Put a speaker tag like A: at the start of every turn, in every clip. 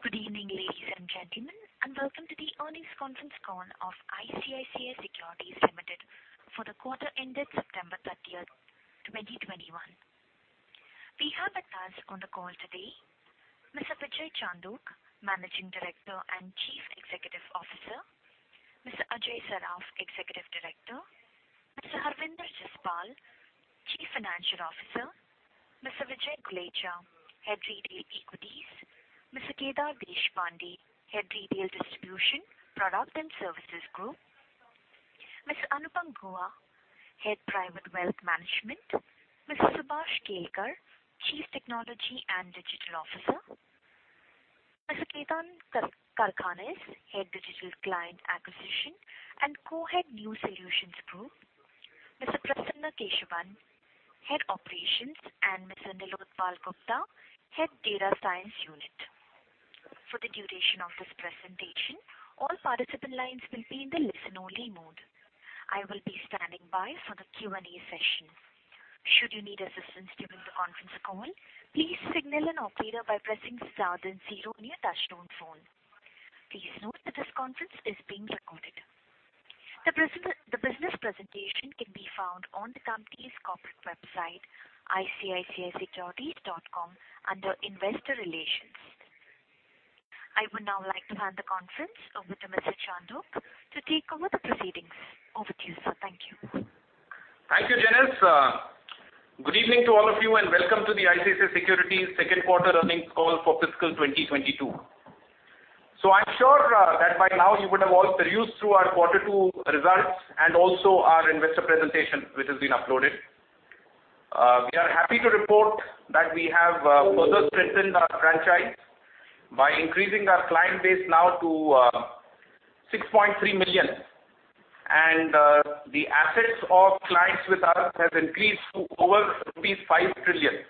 A: Good evening, ladies and gentlemen, and welcome to the earnings conference call of ICICI Securities Limited for the quarter ended September 30th, 2021. We have with us on the call today, Mr. Vijay Chandok, Managing Director and Chief Executive Officer, Mr. Ajay Saraf, Executive Director, Mr. Harvinder Jaspal, Chief Financial Officer, Mr. Vishal Gulechha, Head Retail Equities, Mr. Kedar Deshpande, Head Retail Distribution, Product and Services Group, Mr. Anupam Guha, Head Private Wealth Management, Mr. Subhash Kelkar, Chief Technology and Digital Officer, Mr. Ketan Karkhanis, Head Digital Client Acquisition and Co-head New Solutions Group, Mr. Prasannan Keshavan, Head Operations, and Mr. Nilotpal Gupta, Head Data Science Unit. For the duration of this presentation, all participant lines will be in the listen-only mode. I will be standing by for the Q&A session. The business presentation can be found on the company's corporate website, icicisecurities.com, under Investor Relations. I would now like to hand the conference over to Mr. Chandok to take over the proceedings. Over to you, sir. Thank you.
B: Thank you, Janice. Good evening to all of you, and welcome to the ICICI Securities second quarter earnings call for fiscal 2022. I am sure that by now you would have all perused through our quarter two results and also our investor presentation, which has been uploaded. We are happy to report that we have further strengthened our franchise by increasing our client base now to 6.3 million, and the assets of clients with us has increased to over rupees 5 trillion.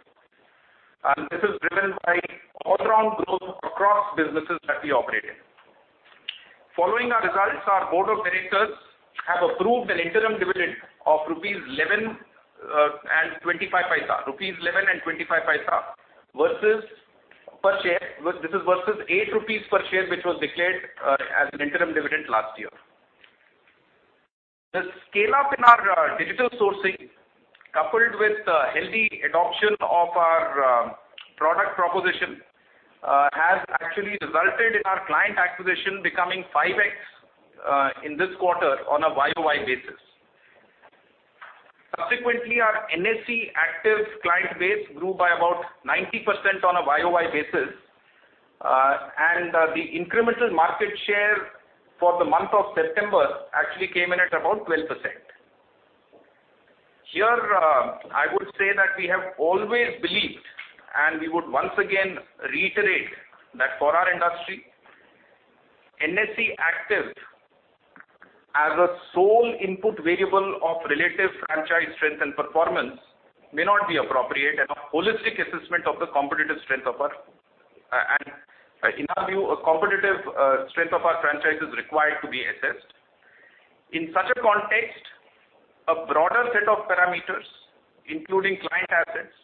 B: This is driven by all-around growth across businesses that we operate in. Following our results, our board of directors have approved an interim dividend of 11.25 rupees versus 8 rupees per share, which was declared as an interim dividend last year. The scale-up in our digital sourcing, coupled with healthy adoption of our product proposition, has actually resulted in our client acquisition becoming 5X in this quarter on a YOY basis. Subsequently, our NSE active client base grew by about 90% on a YOY basis, and the incremental market share for the month of September actually came in at about 12%. Here, I would say that we have always believed, and we would once again reiterate that for our industry, NSE active as a sole input variable of relative franchise strength and performance may not be appropriate and a holistic assessment of the competitive strength of our franchise is required to be assessed. In such a context, a broader set of parameters, including client assets,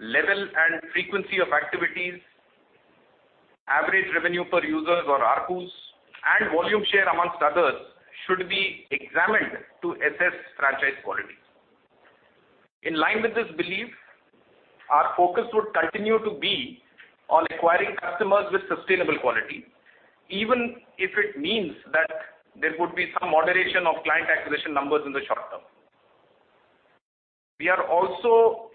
B: level and frequency of activities, average revenue per users or ARPU's, and volume share amongst others, should be examined to assess franchise quality. In line with this belief, our focus would continue to be on acquiring customers with sustainable quality, even if it means that there would be some moderation of client acquisition numbers in the short term. We are also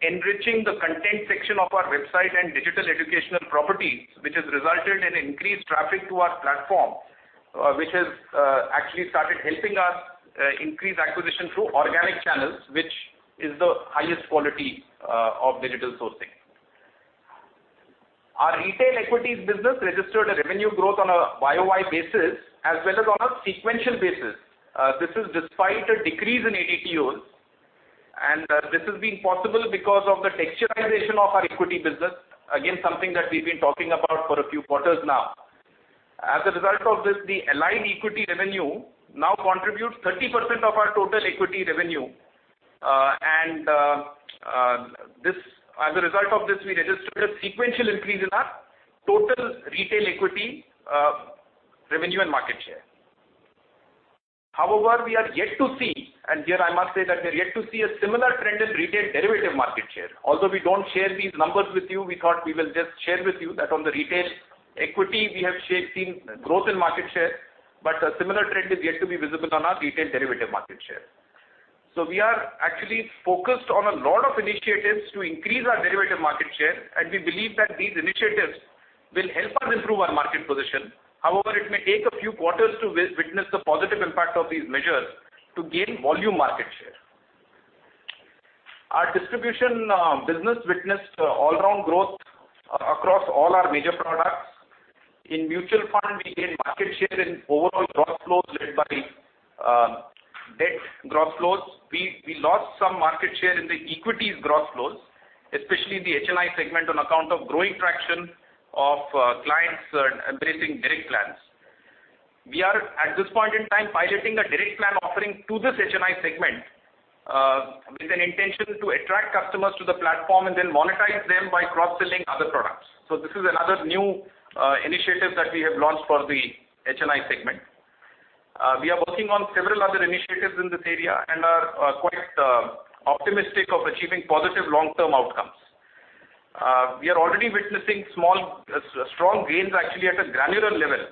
B: enriching the content section of our website and digital educational properties, which has resulted in increased traffic to our platform, which has actually started helping us increase acquisition through organic channels, which is the highest quality of digital sourcing. Our retail equities business registered a revenue growth on a YOY basis as well as on a sequential basis. This is despite a decrease in ADTOs, and this has been possible because of the texturization of our equity business. Something that we've been talking about for a few quarters now. As a result of this, the allied equity revenue now contributes 30% of our total equity revenue, and as a result of this, we registered a sequential increase in our total retail equity revenue and market share. However, we are yet to see, and here I must say that we are yet to see a similar trend in retail derivative market share. Although we don't share these numbers with you, we thought we will just share with you that on the retail equity, we have seen growth in market share, but a similar trend is yet to be visible on our retail derivative market share. We are actually focused on a lot of initiatives to increase our derivative market share, and we believe that these initiatives will help us improve our market position. It may take a few quarters to witness the positive impact of these measures to gain volume market share. Our distribution business witnessed all-around growth across all our major products. In mutual fund, we gained market share in overall gross flows led by debt gross flows. We lost some market share in the equities gross flows, especially the HNI segment on account of growing traction of clients embracing direct plans. We are at this point in Prime piloting a direct plan offering to this HNI segment with an intention to attract customers to the platform and then monetize them by cross-selling other products. This is another new initiative that we have launched for the HNI segment. We are working on several other initiatives in this area and are quite optimistic of achieving positive long-term outcomes. We are already witnessing strong gains actually at a granular level,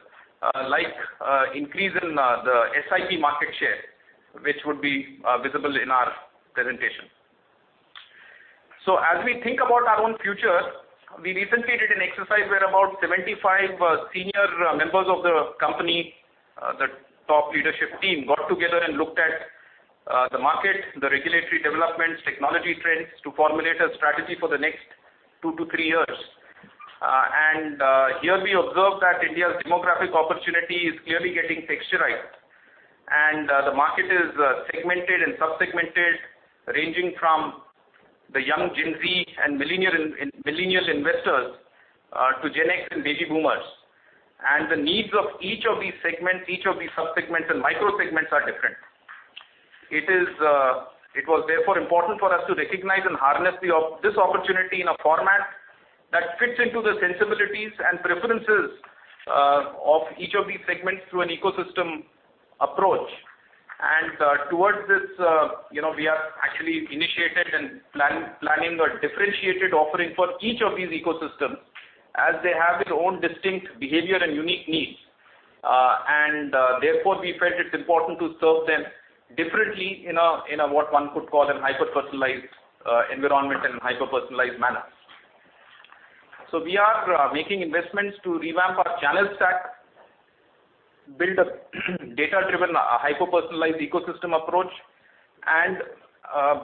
B: like increase in the SIP market share, which would be visible in our presentation. As we think about our own future, we recently did an exercise where about 75 senior members of the company, the top leadership team, got together and looked at the market, the regulatory developments, technology trends, to formulate a strategy for the next two to three years. Here we observed that India's demographic opportunity is clearly getting texturized. The market is segmented and sub-segmented, ranging from the young Gen Z and millennial investors to Gen X and baby boomers. The needs of each of these segments, each of these sub-segments and micro segments are different. It was therefore important for us to recognize and harness this opportunity in a format that fits into the sensibilities and preferences of each of these segments through an ecosystem approach. Towards this, we have actually initiated and planning a differentiated offering for each of these ecosystems as they have their own distinct behavior and unique needs. Therefore, we felt it's important to serve them differently in a, what one could call, a hyper-personalized environment and hyper-personalized manner. We are making investments to revamp our channel stack, build a data-driven, hyper-personalized ecosystem approach, and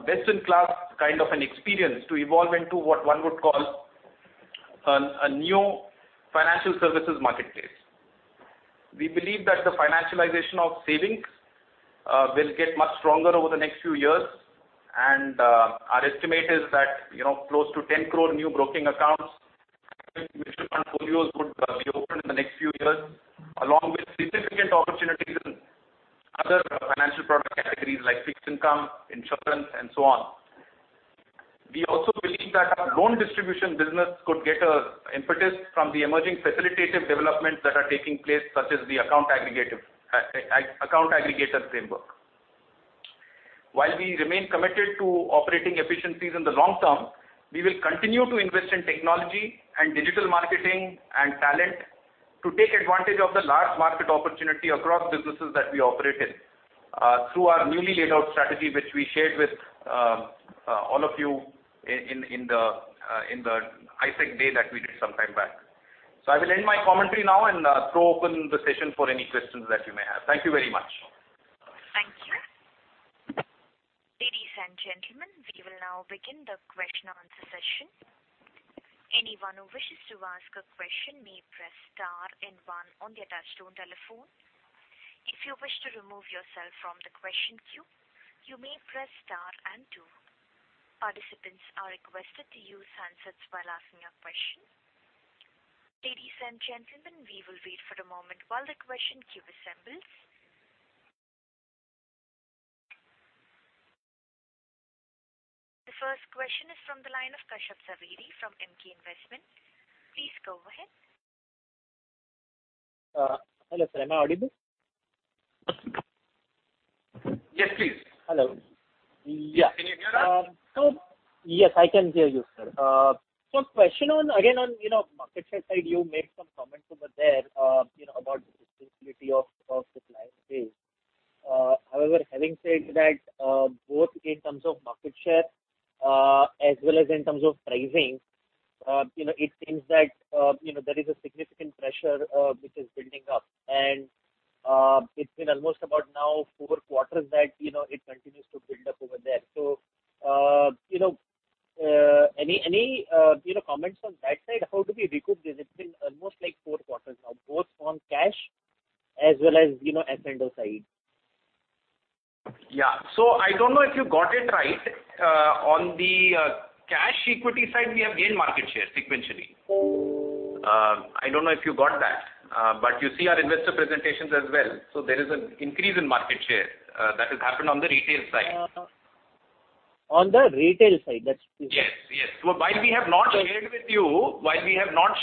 B: best-in-class kind of an experience to evolve into what one would call a new financial services marketplace. We believe that the financialization of savings will get much stronger over the next few years, and our estimate is that close to 10 crore new broking accounts and mutual fund folios would be opened in the next few years, along with significant opportunities in other financial product categories like fixed income, insurance, and so on. We also believe that our loan distribution business could get an impetus from the emerging facilitative developments that are taking place, such as the account aggregator framework. While we remain committed to operating efficiencies in the long term, we will continue to invest in technology and digital marketing and talent to take advantage of the large market opportunity across businesses that we operate in through our newly laid out strategy, which we shared with all of you in the I-Sec day that we did some time back. I will end my commentary now and throw open the session for any questions that you may have. Thank you very much.
A: Thank you. Ladies and gentlemen, we will now begin the question and answer session. Anyone who wishes to ask a question may press star one on the touchtone telephone. If you wish to remove yourself from the question queue, you may press star two. Participants are requested to use handsets while asking a question. Ladies and gentlemen, we will wait for a moment while the question queue assembles. The first question is from the line of Kashyap Javeri from Emkay Global. Please go ahead.
C: Hello, sir. Am I audible?
B: Yes, please.
C: Hello.
B: Yeah. Can you hear us?
C: Yes, I can hear you, sir. Question, again, on market share side, you made some comments over there about the sensibility of the client base. However, having said that, both in terms of market share as well as in terms of pricing it seems that there is a significant pressure which is building up, and it's been almost about now four quarters that it continues to build up over there. Any comments on that side? How do we recoup this? It's been almost four quarters now, both on cash as well as F&O side.
B: Yeah. I don't know if you got it right. On the cash equity side, we have gained market share sequentially. I don't know if you got that. You see our investor presentations as well. There is an increase in market share that has happened on the retail side.
C: On the retail side.
B: Yes. While we have not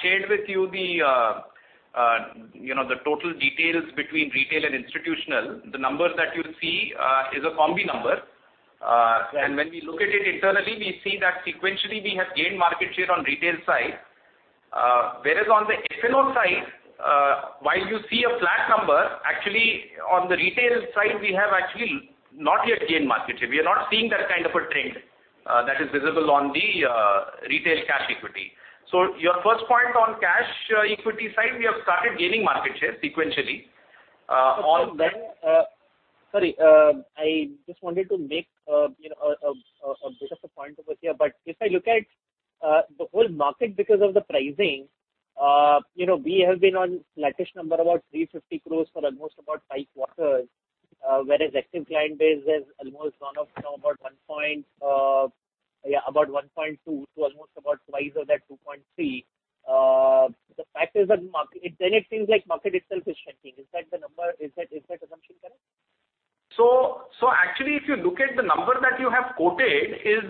B: shared with you the total details between retail and institutional, the numbers that you see is a combi number.
C: Right.
B: When we look at it internally, we see that sequentially, we have gained market share on retail side. Whereas on the F&O side, while you see a flat number, actually on the retail side, we have actually not yet gained market share. We are not seeing that kind of a trend that is visible on the retail cash equity. Your first point on cash equity side, we have started gaining market share sequentially on that.
C: Sorry. I just wanted to make a bit of a point over here. If I look at the whole market, because of the pricing we have been on flattish number, about 350 crores for almost about five quarters. Whereas active client base has almost gone up from about 1.2 to almost about twice of that, 2.3. It seems like market itself is shrinking. Is that assumption correct?
B: Actually, if you look at the number that you have quoted, is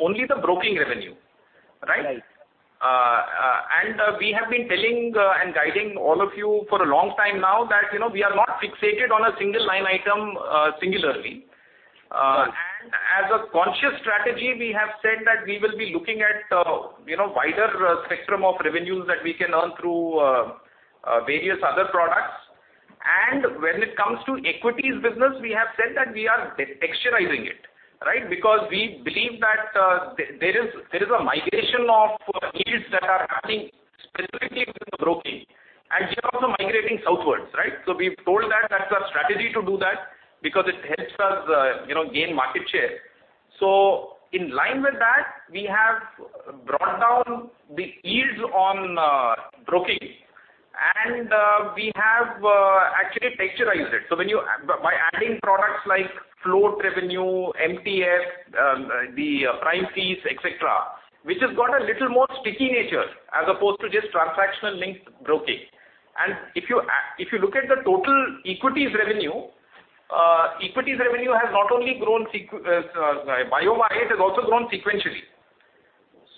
B: only the broking revenue. Right?
C: Right.
B: We have been telling and guiding all of you for a long time now that we are not fixated on a single line item singularly.
C: Got it.
B: As a conscious strategy, we have said that we will be looking at wider spectrum of revenues that we can earn through various other products. When it comes to equities business, we have said that we are texturizing it. We believe that there is a migration of yields that are happening specifically with broking. We are also migrating southwards. We've told that that's our strategy to do that because it helps us gain market share. In line with that, we have brought down the yields on broking. We have actually texturized it by adding products like float revenue, MTF, the Prime fees, et cetera, which has got a little more sticky nature as opposed to just transactional linked broking. If you look at the total equities revenue, equities revenue has not only grown, month-on-month it has also grown sequentially.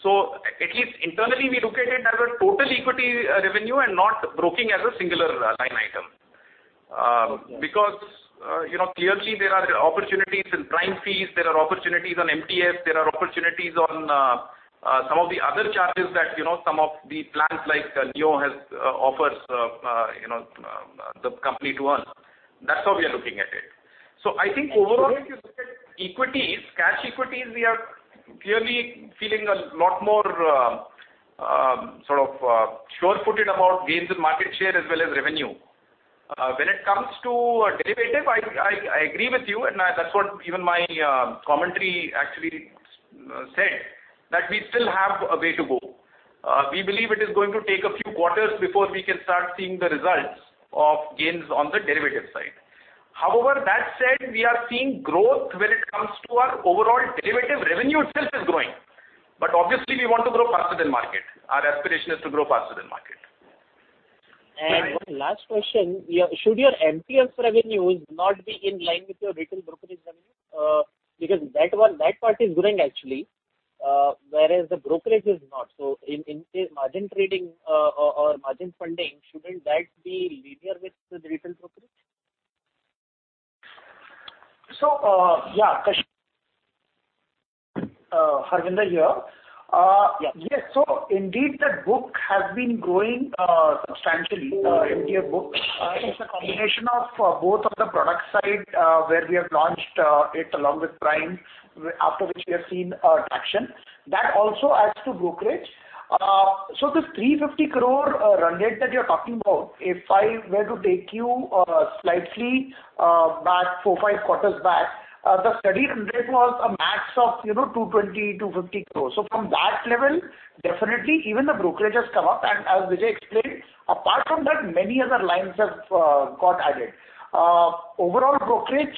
B: At least internally, we look at it as a total equity revenue and not broking as a singular line item.
C: Okay.
B: Clearly there are opportunities in Prime fees, there are opportunities on MTF, there are opportunities on some of the other charges that some of the plans like Neo offers the company to earn. That's how we are looking at it.
C: If you look at-
B: equities, cash equities, we are clearly feeling a lot more sure-footed about gains in market share as well as revenue. That's what even my commentary actually said, that we still have a way to go. We believe it is going to take a few quarters before we can start seeing the results of gains on the derivative side. However, that said, we are seeing growth when it comes to our overall derivative revenue itself is growing. Obviously we want to grow faster than market. Our aspiration is to grow faster than market.
C: One last question. Should your MTF revenues not be in line with your retail brokerage revenue? That part is growing, actually, whereas the brokerage is not. In margin trading or margin funding, shouldn't that be linear with the retail brokerage?
D: Yeah, Kashyap. Harvinder here.
C: Yeah.
D: Yes. Indeed, that book has been growing substantially. MTF book is a combination of both on the product side where we have launched it along with Prime, after which we have seen traction. That also adds to brokerage. This 350 crore run rate that you're talking about, if I were to take you slightly back, four, five quarters back, the steady run rate was a max of 220 crore-250 crore. From that level, definitely even the brokerage has come up and as Vijay explained, apart from that, many other lines have got added. Overall brokerage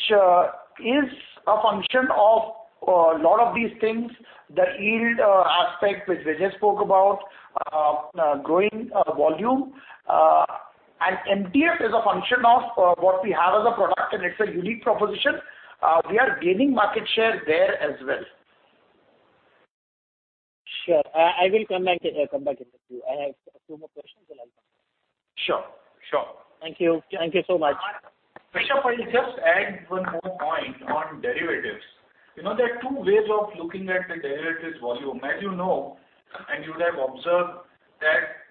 D: is a function of a lot of these things. The yield aspect which Vijay spoke about. Growing volume. MTF is a function of what we have as a product, and it's a unique proposition. We are gaining market share there as well.
C: Sure. I will come back to that too. I have a few more questions, and I'll come back.
D: Sure.
C: Thank you so much.
B: Kashyap, I'll just add one more point on derivatives. There are two ways of looking at the derivatives volume. You would have observed that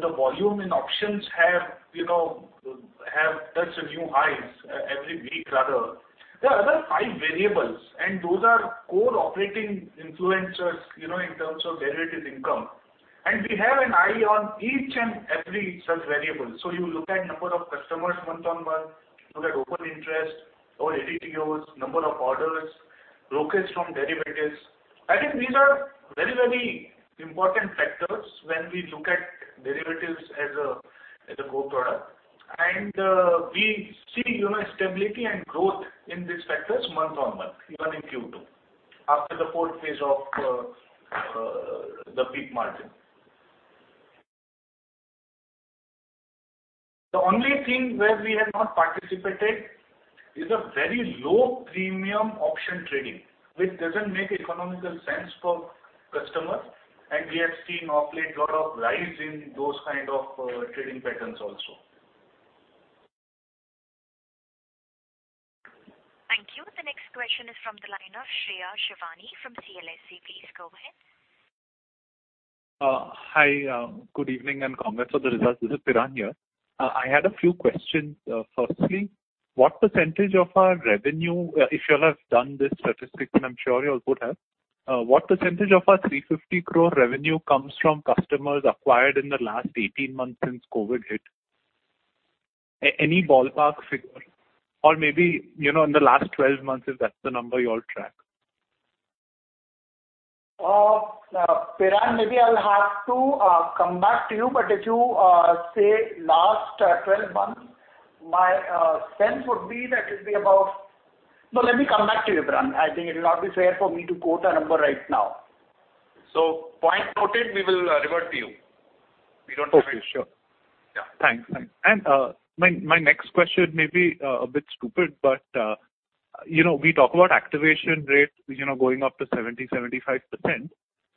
B: the volume in options have touched new highs every week, rather. There are other five variables, and those are core operating influencers in terms of derivatives income. We have an eye on each and every such variable. You look at number of customers month-on-month, look at open interest or ADTOs, number of orders, brokerage from derivatives. I think these are very important factors when we look at derivatives as a core product. We see stability and growth in these factors month-on-month, even in Q2, after the fourth phase of the peak margin. The only thing where we have not participated is a very low premium option trading, which doesn't make economic sense for customers. We have seen of late lot of rise in those kind of trading patterns also.
A: Thank you. The next question is from the line of Shreya Shivani from CLSA. Please go ahead.
E: Hi. Good evening and congrats on the results. This is Piran here. I had a few questions. Firstly, what percentage of our revenue, if you all have done this statistic, and I am sure you all would have. What percentage of our 350 crore revenue comes from customers acquired in the last 18 months since COVID hit? Any ballpark figure? Maybe in the last 12 months, if that's the number you all track.
D: Piran, maybe I'll have to come back to you. No, let me come back to you, Piran. I think it will not be fair for me to quote a number right now. Point noted. We will revert to you. We don't mind.
E: Okay. Sure.
D: Yeah.
E: Thanks. My next question may be a bit stupid, but we talk about activation rates going up to 70%-75%,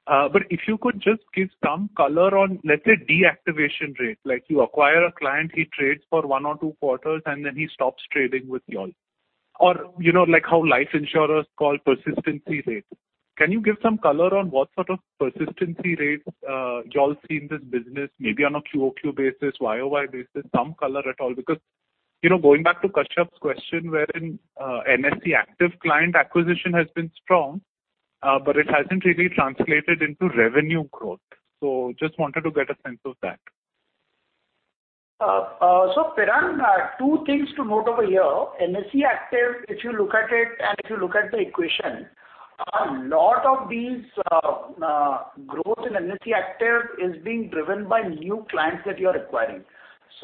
E: but if you could just give some color on, let's say, deactivation rate. Like you acquire a client, he trades for one or two quarters, and then he stops trading with you all. Or like how life insurers call persistency rate. Can you give some color on what sort of persistency rates you all see in this business? Maybe on a QoQ basis, YoY basis, some color at all. Going back to Kashyap's question, wherein NSE active client acquisition has been strong but it hasn't really translated into revenue growth. Just wanted to get a sense of that.
D: Piran, two things to note over here. NSE active, if you look at it and if you look at the equation, a lot of these growth in NSE active is being driven by new clients that you are acquiring.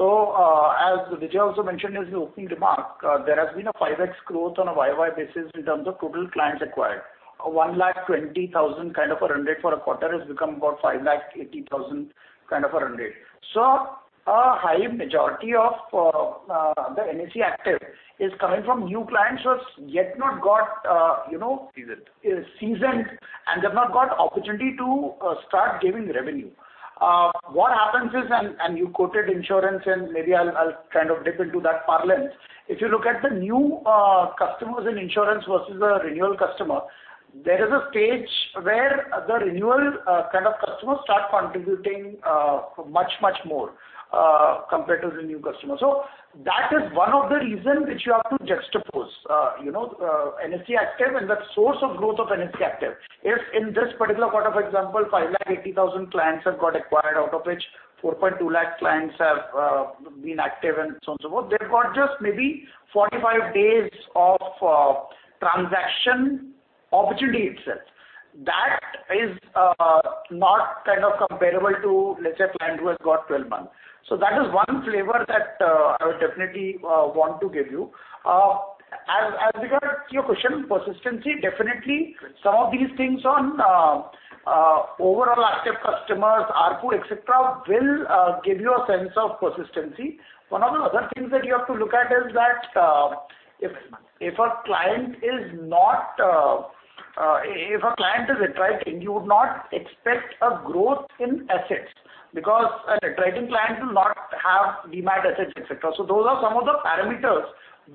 D: As Vijay also mentioned in his opening remark there has been a 5x growth on a YoY basis in terms of total clients acquired. 120,000 kind of a run rate for a quarter has become about 580,000 kind of a run rate. A high majority of the NSE active is coming from new clients who have yet not got.
B: Seasoned
D: seasoned and they've not got opportunity to start giving revenue. Happens is, you quoted insurance and maybe I'll dip into that parallel. You look at the new customers in insurance versus the renewal customer, there is a stage where the renewal kind of customers start contributing much more compared to the new customer. That is one of the reason which you have to juxtapose NSE active and the source of growth of NSE active. In this particular quarter, for example, 580,000 clients have got acquired, out of which 420,000 clients have been active, and so on, so forth. They've got just maybe 45 days of transaction opportunity itself. That is not comparable to, let's say, a client who has got 12 months. That is one flavor that I would definitely want to give you. As regards to your question, persistency, definitely some of these things on overall active customers, ARPU, et cetera, will give you a sense of persistency. One of the other things that you have to look at is that if a client is attriting, you would not expect a growth in assets because an attriting client will not have demat assets, et cetera. Those are some of the parameters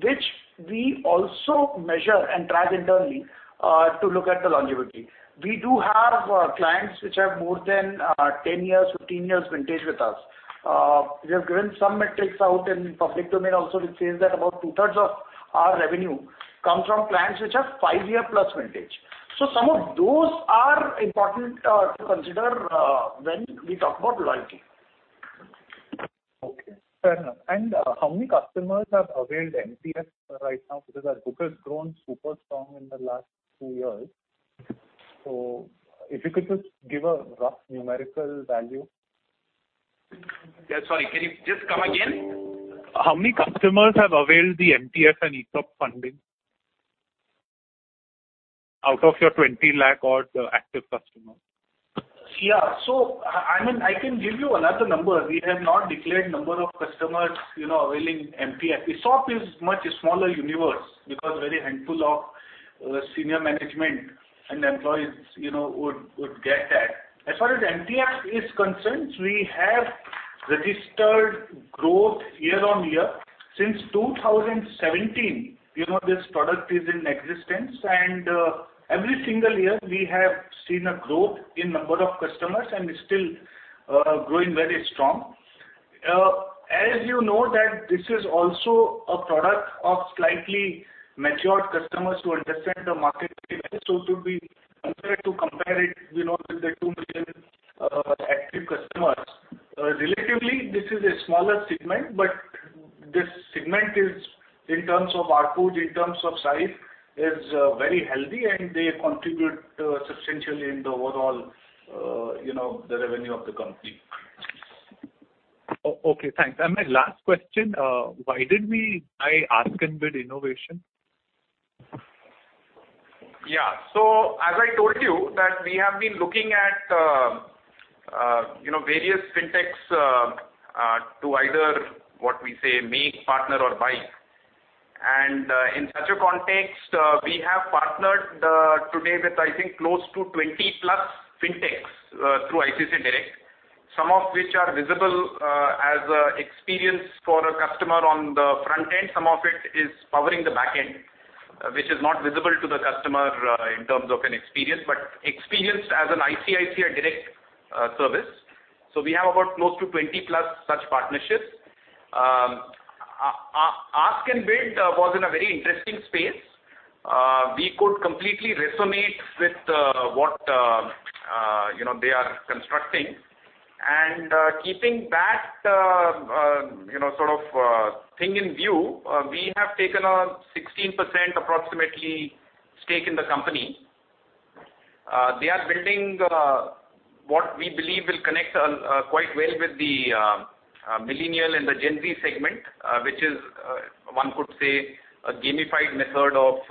D: which we also measure and track internally to look at the longevity. We do have clients which have more than 10 years, 15 years vintage with us. We have given some metrics out in public domain also, which says that about two-thirds of our revenue comes from clients which have five-year plus vintage. Some of those are important to consider when we talk about loyalty.
E: Okay. Fair enough. How many customers have availed MTF right now? That book has grown super strong in the last two years. If you could just give a rough numerical value.
B: Yeah, sorry, can you just come again?
E: How many customers have availed the MTF and ESOP funding out of your 20 lakh odd active customers?
B: I can give you another number. We have not declared number of customers availing MTF. ESOP is much smaller universe because very handful of senior management and employees would get that. Far as MTF is concerned, we have registered growth year-on-year since 2017. This product is in existence and every single year we have seen a growth in number of customers and it's still growing very strong. You know that this is also a product of slightly matured customers who understand the market very well. To be fair to compare it with the 2 million active customers, relatively this is a smaller segment, but this segment is, in terms of ARPUs, in terms of size, is very healthy, and they contribute substantially in the overall revenue of the company.
E: Okay, thanks. My last question why did we buy AskNBid Innovation?
B: As I told you that we have been looking at various fintechs to either, what we say, make, partner or buy. In such a context, we have partnered today with I think close to 20+ fintechs through ICICI Direct, some of which are visible as an experience for a customer on the front end. Some of it is powering the back end which is not visible to the customer in terms of an experience, but experienced as an ICICI Direct service. We have about close to 20+ such partnerships. AskNBid was in a very interesting space. We could completely resonate with what they are constructing. Keeping that thing in view, we have taken on 16%, approximately, stake in the company. They are building what we believe will connect quite well with the millennial and the Gen Z segment which is, one could say, a gamified method of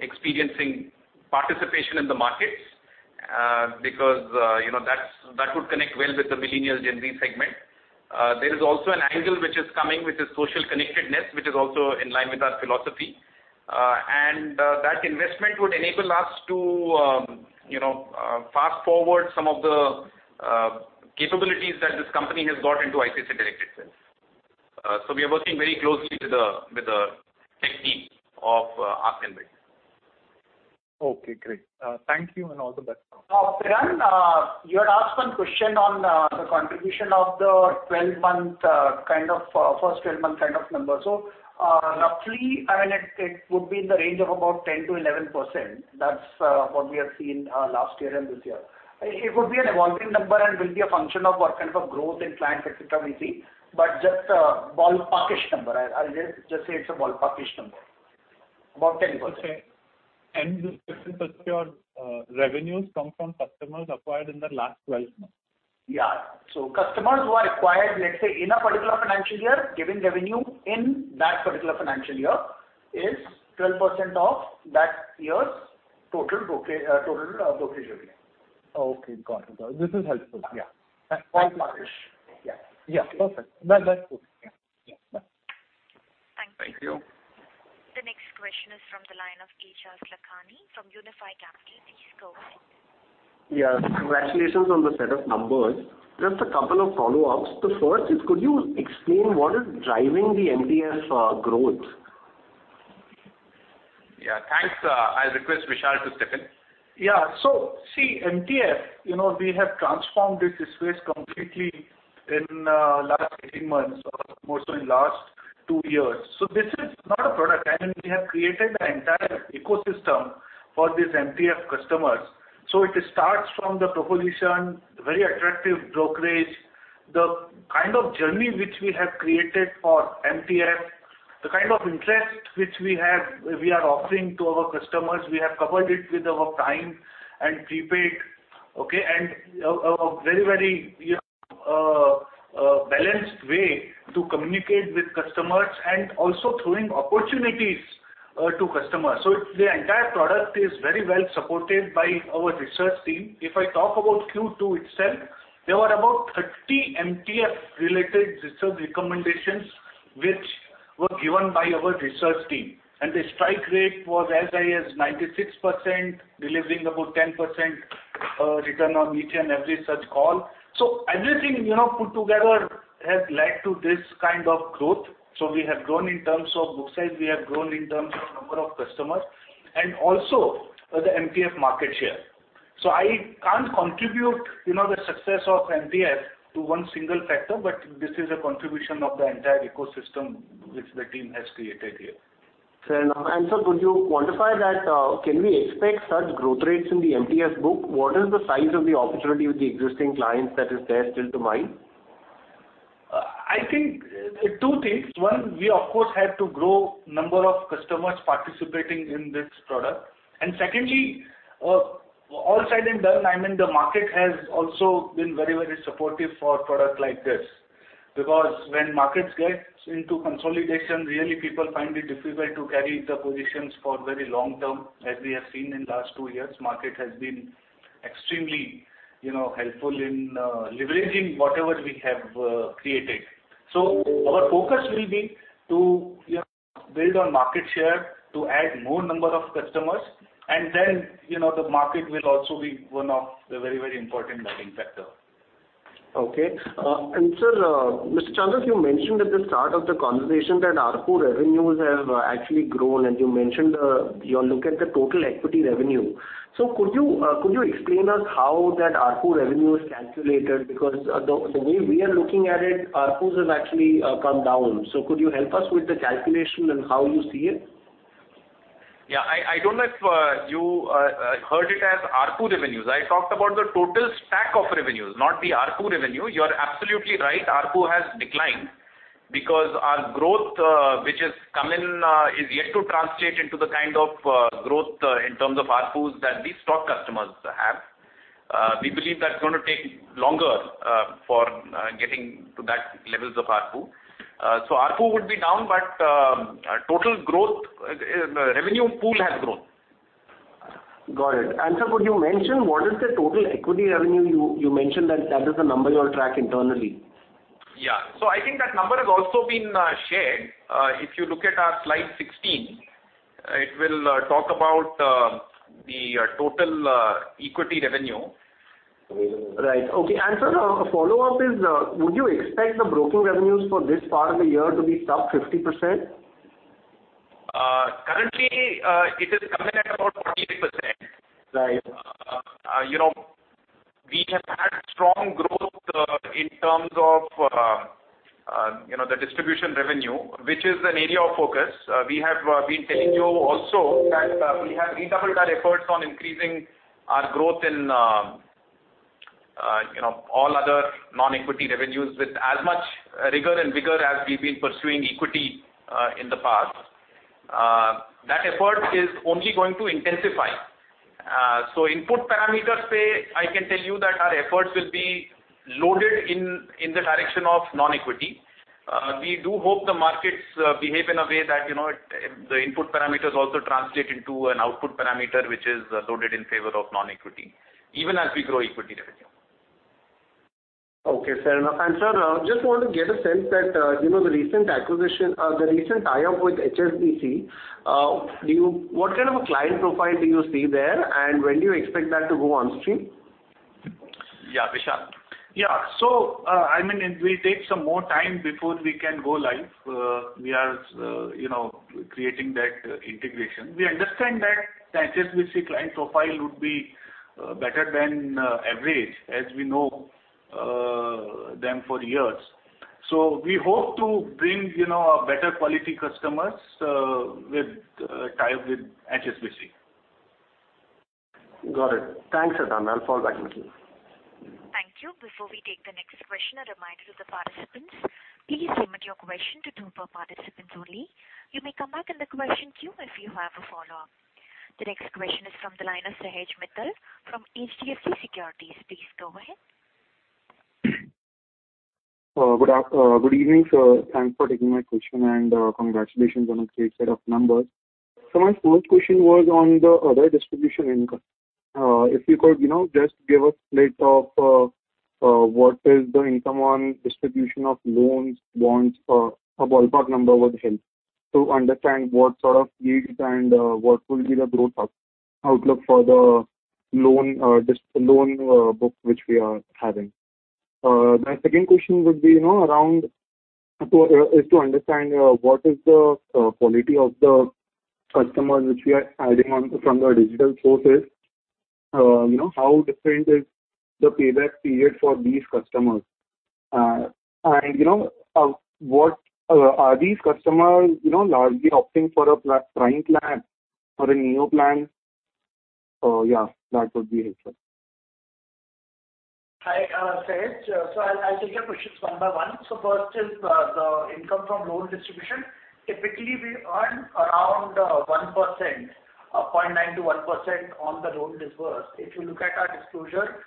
B: experiencing participation in the markets because that would connect well with the millennial Gen Z segment. There is also an angle which is coming with this social connectedness, which is also in line with our philosophy. That investment would enable us to fast-forward some of the capabilities that this company has got into ICICI Direct itself. We are working very closely with the tech team of AskNBid.
E: Okay, great. Thank you, and all the best.
D: Piran, you had asked one question on the contribution of the first 12-month kind of numbers. Roughly, it would be in the range of about 10%-11%. That's what we have seen last year and this year. It could be an evolving number and will be a function of what kind of a growth in clients, et cetera, we see, but just a ball-parkish number. I'll just say it's a ball-parkish number. About 10%.
E: Okay. This is your revenues come from customers acquired in the last 12 months?
D: Yeah. Customers who are acquired, let's say, in a particular financial year, giving revenue in that particular financial year, is 12% of that year's total brokerage revenue.
E: Okay, got it. This is helpful.
D: Yeah. Ball-parkish.
E: Yeah. Perfect. Well, that's good.
D: Yeah. Bye.
E: Thank you.
B: Thank you.
A: The next question is from the line of Aejas Lakhani from Unifi Capital. Please go ahead.
F: Yeah. Congratulations on the set of numbers. Just a couple of follow-ups. The first is could you explain what is driving the MTF growth?
B: Yeah. Thanks. I request Vishal to step in.
G: MTF we have transformed this space completely in last 18 months or mostly last two years. This is not a product. We have created the entire ecosystem for these MTF customers. It starts from the proposition, very attractive brokerage, the kind of journey which we have created for MTF, the kind of interest which we are offering to our customers. We have covered it with our time and prepaid, okay, and a very balanced way to communicate with customers and also throwing opportunities to customers. The entire product is very well supported by our research team. If I talk about Q2 itself, there were about 30 MTF related research recommendations which were given by our research team, and the strike rate was as high as 96%, delivering about 10% return on each and every such call. Everything put together has led to this kind of growth. We have grown in terms of book size, we have grown in terms of number of customers, and also the MTF market share. I can't contribute the success of MTF to one single factor, but this is a contribution of the entire ecosystem which the team has created here.
F: Sir, could you quantify that? Can we expect such growth rates in the MTF book? What is the size of the opportunity with the existing clients that is there still to mine?
G: I think two things. One, we of course, had to grow number of customers participating in this product. Secondly, all said and done, the market has also been very supportive for product like this because when markets get into consolidation, really people find it difficult to carry the positions for very long term. As we have seen in last two years, market has been extremely helpful in leveraging whatever we have created. Our focus will be to build on market share, to add more number of customers, and then the market will also be one of the very important driving factor.
F: Okay. Sir, Mr. Vijay Chandok, you mentioned at the start of the conversation that ARPU revenues have actually grown, and you mentioned your look at the total equity revenue. Could you explain us how that ARPU revenue is calculated? Because the way we are looking at it, ARPUs have actually come down. Could you help us with the calculation and how you see it?
B: Yeah. I don't know if you heard it as ARPU revenues. I talked about the total stack of revenues, not the ARPU revenue. You are absolutely right, ARPU has declined because our growth which has come in is yet to translate into the kind of growth in terms of ARPUs that these stock customers have. We believe that's going to take longer for getting to that levels of ARPU. ARPU would be down, but total revenue pool has grown.
F: Got it. Sir, could you mention what is the total equity revenue? You mentioned that that is the number you all track internally.
B: Yeah. I think that number has also been shared. If you look at our slide 16, it will talk about the total equity revenue.
F: Right. Okay. Sir, follow-up is would you expect the broking revenues for this part of the year to be top 50%?
B: Currently it is coming at about 48%.
F: Right.
B: We have had strong growth in terms of the distribution revenue, which is an area of focus. We have been telling you also that we have redoubled our efforts on increasing our growth in all other non-equity revenues with as much rigor and vigor as we've been pursuing equity in the past. That effort is only going to intensify. Input parameters say, I can tell you that our efforts will be loaded in the direction of non-equity. We do hope the markets behave in a way that the input parameters also translate into an output parameter, which is loaded in favor of non-equity, even as we grow equity revenue.
F: Okay, fair enough. Sir, just want to get a sense that, the recent tie-up with HSBC, what kind of a client profile do you see there? When do you expect that to go on stream?
B: Yeah, Vishal.
G: It will take some more time before we can go live. We are creating that integration. We understand that the HSBC client profile would be better than average, as we know them for years. We hope to bring better quality customers with tie-up with HSBC.
F: Got it. Thanks. I'll follow back with you.
A: Thank you. Before we take the next question, a reminder to the participants, please limit your question to two per participants only. You may come back in the question queue if you have a follow-up. The next question is from the line of Sahej Mittal from HDFC Securities. Please go ahead.
H: Good evening, sir. Thanks for taking my question and congratulations on a great set of numbers. My first question was on the other distribution income. If you could just give a split of what is the income on distribution of loans, bonds, a ballpark number would help to understand what sort of yield and what will be the growth outlook for the loan book which we are having. My second question is to understand what is the quality of the customer which we are adding on from the digital sources. How different is the payback period for these customers? Are these customers largely opting for a Prime plan or a Neo plan? Yeah, that would be helpful.
D: Hi, Sahej. I'll take your questions one by one. First is the income from loan distribution. Typically, we earn around 1%, 0.9%-1% on the loan disbursed. If you look at our disclosure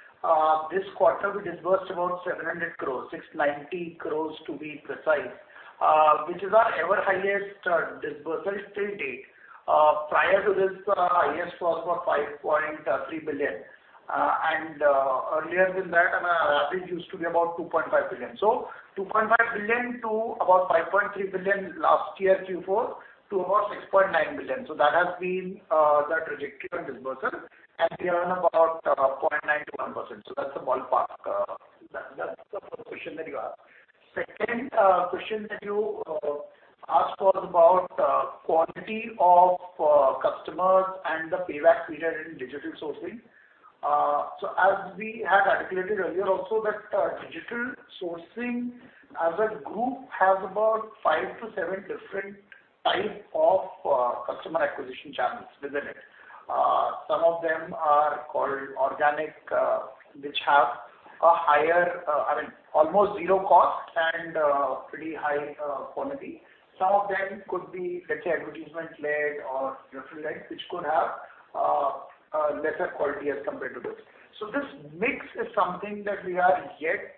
D: this quarter, we disbursed about 700 crore, 690 crore to be precise, which is our ever-highest disbursement till date. Prior to this, the highest was about 5.3 billion. Earlier than that, our average used to be about 2.5 billion. 2.5 billion to about 5.3 billion last year Q4 to about 6.9 billion. That has been the trajectory on disbursement and we earn about 0.9%-1%. That's the ballpark. That's the first question that you asked. Second question that you asked was about quality of customers and the payback period in digital sourcing. As we had articulated earlier also that digital sourcing as a group has about five to seven different type of customer acquisition channels within it. Some of them are called organic which have almost zero cost and pretty high quality. Some of them could be, let's say advertisement-led or referral-led, which could have a lesser quality as compared to this. This mix is something that we are yet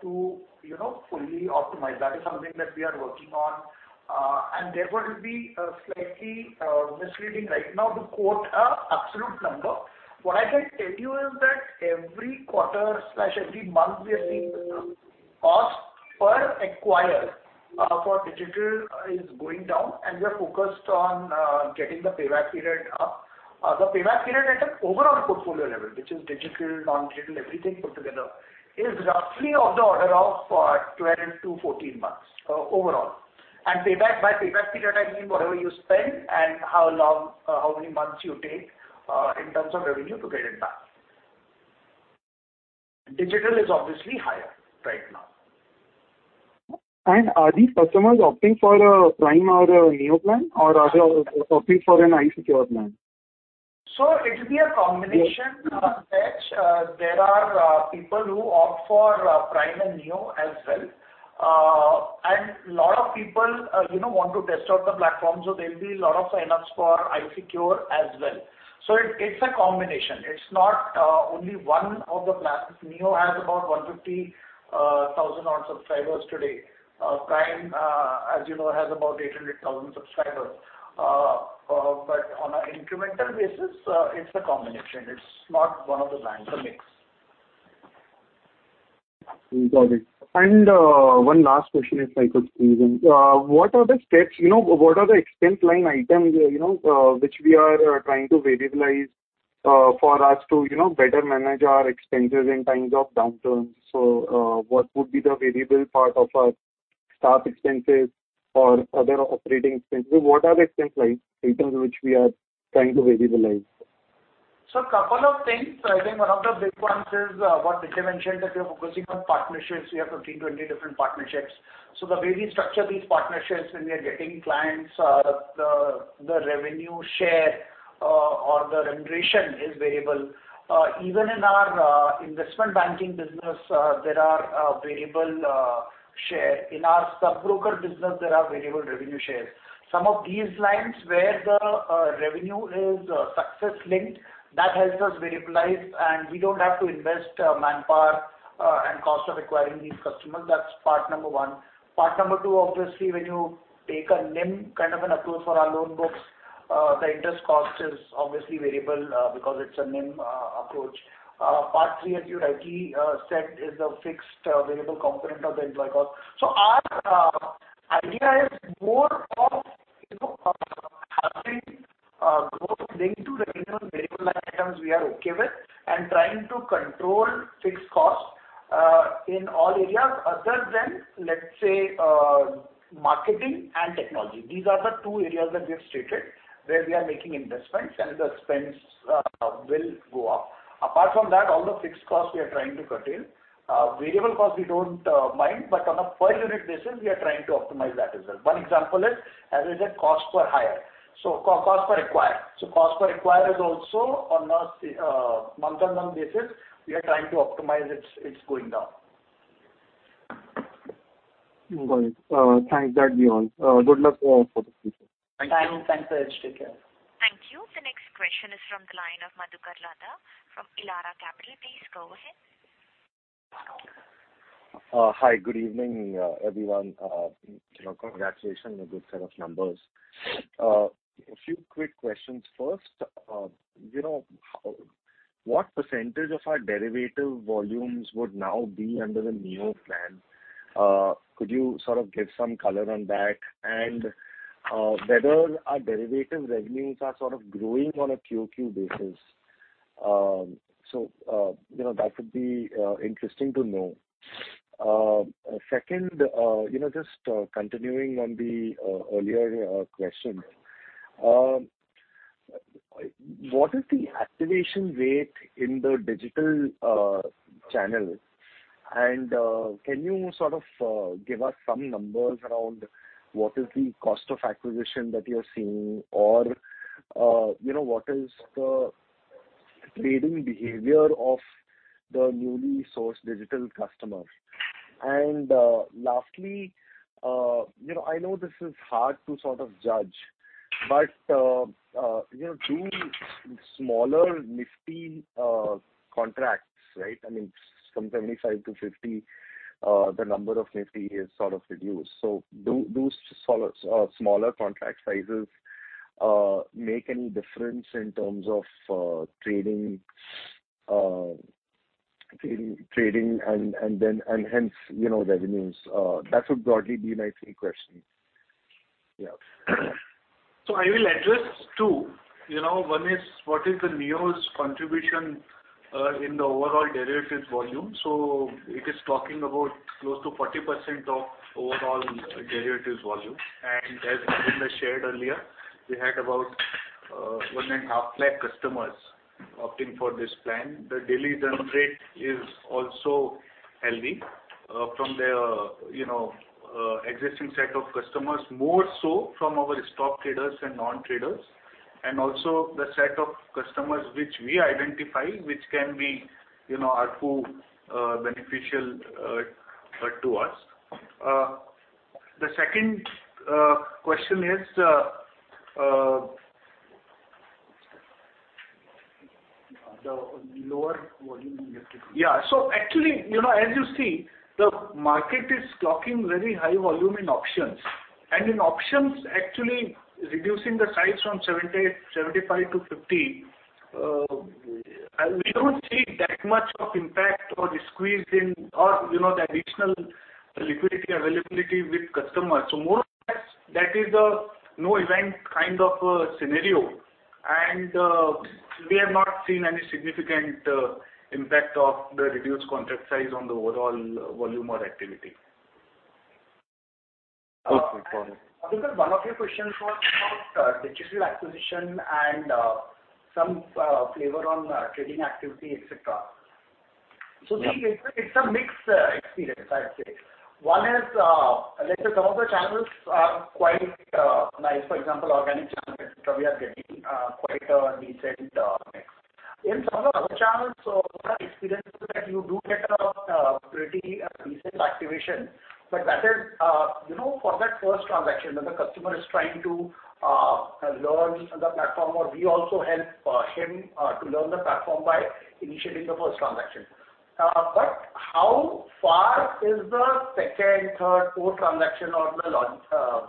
D: to fully optimize. That is something that we are working on and therefore it will be slightly misleading right now to quote a absolute number. What I can tell you is that every quarter/every month we are seeing the cost per acquire for digital is going down and we are focused on getting the payback period up. The payback period at an overall portfolio level, which is digital, non-digital, everything put together is roughly of the order of 12 to 14 months overall. By payback period I mean whatever you spend and how many months you take in terms of revenue to get it back. Digital is obviously higher right now.
H: Are these customers opting for a Prime or a Neo plan or are they opting for an I-Secure plan?
D: It'll be a combination, Sahej. There are people who opt for Prime and Neo as well. Lot of people want to test out the platform so there'll be lot of signups for I-Secure as well. It's a combination. It's not only one of the plans. Neo has about 150,000 odd subscribers today. Prime as you know has about 800,000 subscribers. On an incremental basis it's a combination. It's not one of the plans, a mix.
H: Got it. One last question if I could squeeze in. What are the extent line items which we are trying to variabilize for us to better manage our expenses in times of downturns? What would be the variable part of our staff expenses or other operating expenses? What are the expense line items which we are trying to variabilize?
D: A couple of things. I think one of the big ones is what Vijay mentioned, that we are focusing on partnerships. We have 15, 20 different partnerships. The way we structure these partnerships when we are getting clients, the revenue share or the remuneration is variable. Even in our investment banking business there are variable share. In our sub-broker business, there are variable revenue shares. Some of these lines where the revenue is success linked, that helps us variabilize and we don't have to invest manpower and cost of acquiring these customers. That's part 1. Part 2, obviously, when you take a NIM kind of an approach for our loan books, the interest cost is obviously variable because it's a NIM approach. Part 3, as you rightly said, is the fixed variable component of the employee cost. Our idea is more of having growth linked to revenue variable line items we are okay with and trying to control fixed costs in all areas other than, let's say, marketing and technology. These are the two areas that we have stated where we are making investments and the spends will go up. Apart from that, all the fixed costs we are trying to curtail. Variable cost, we don't mind, but on a per unit basis, we are trying to optimize that as well. One example is, as I said, cost per acquire. Cost per acquire is also on a month-on-month basis. We are trying to optimize it. It's going down.
H: Got it. Thanks. That'd be all. Good luck for the future.
D: Thank you. Thanks, Sahej. Take care.
A: Thank you. The next question is from the line of Madhukar Ladha from Elara Capital. Please go ahead.
I: Hi, good evening, everyone. Congratulations on a good set of numbers. A few quick questions. First, what percentage of our derivative volumes would now be under the Neo plan? Could you sort of give some color on that and whether our derivative revenues are sort of growing on a QOQ basis? That would be interesting to know. Second, just continuing on the earlier question. What is the activation rate in the digital channel and can you sort of give us some numbers around what is the cost of acquisition that you're seeing or what is the trading behavior of the newly sourced digital customer? Lastly, I know this is hard to sort of judge, do smaller Nifty contracts, right? I mean, from 75 to 50, the number of Nifty is sort of reduced. Do smaller contract sizes make any difference in terms of trading and hence revenues? That would broadly be my three questions.
B: I will address two. One is what is the Neo's contribution in the overall derivatives volume. It is talking about close to 40% of overall derivatives volume. As Harvinder shared earlier, we had about 1.5 lakh customers opting for this plan. The daily churn rate is also healthy from their existing set of customers, more so from our stock traders and non-traders, and also the set of customers which we identify, which can be are too beneficial to us. The second question is
D: The lower volume activity.
B: Yeah. Actually, as you see, the market is clocking very high volume in options. In options, actually reducing the size from 75 to 50, we don't see that much of impact or the squeeze in or the additional liquidity availability with customers. More or less that is a no event kind of a scenario. We have not seen any significant impact of the reduced contract size on the overall volume or activity.
I: Perfect. Got it.
D: Madhukar, one of your questions was about digital acquisition and some flavor on trading activity, et cetera. See, it's a mixed experience, I'd say. One is, let's say some of the channels are quite nice. For example, organic channels, et cetera, we are getting quite a decent mix. In some of our other channels, so our experience is that you do get a pretty decent activation. That is for that first transaction when the customer is trying to learn the platform or we also help him to learn the platform by initiating the first transaction. How far is the second, third, fourth transaction or the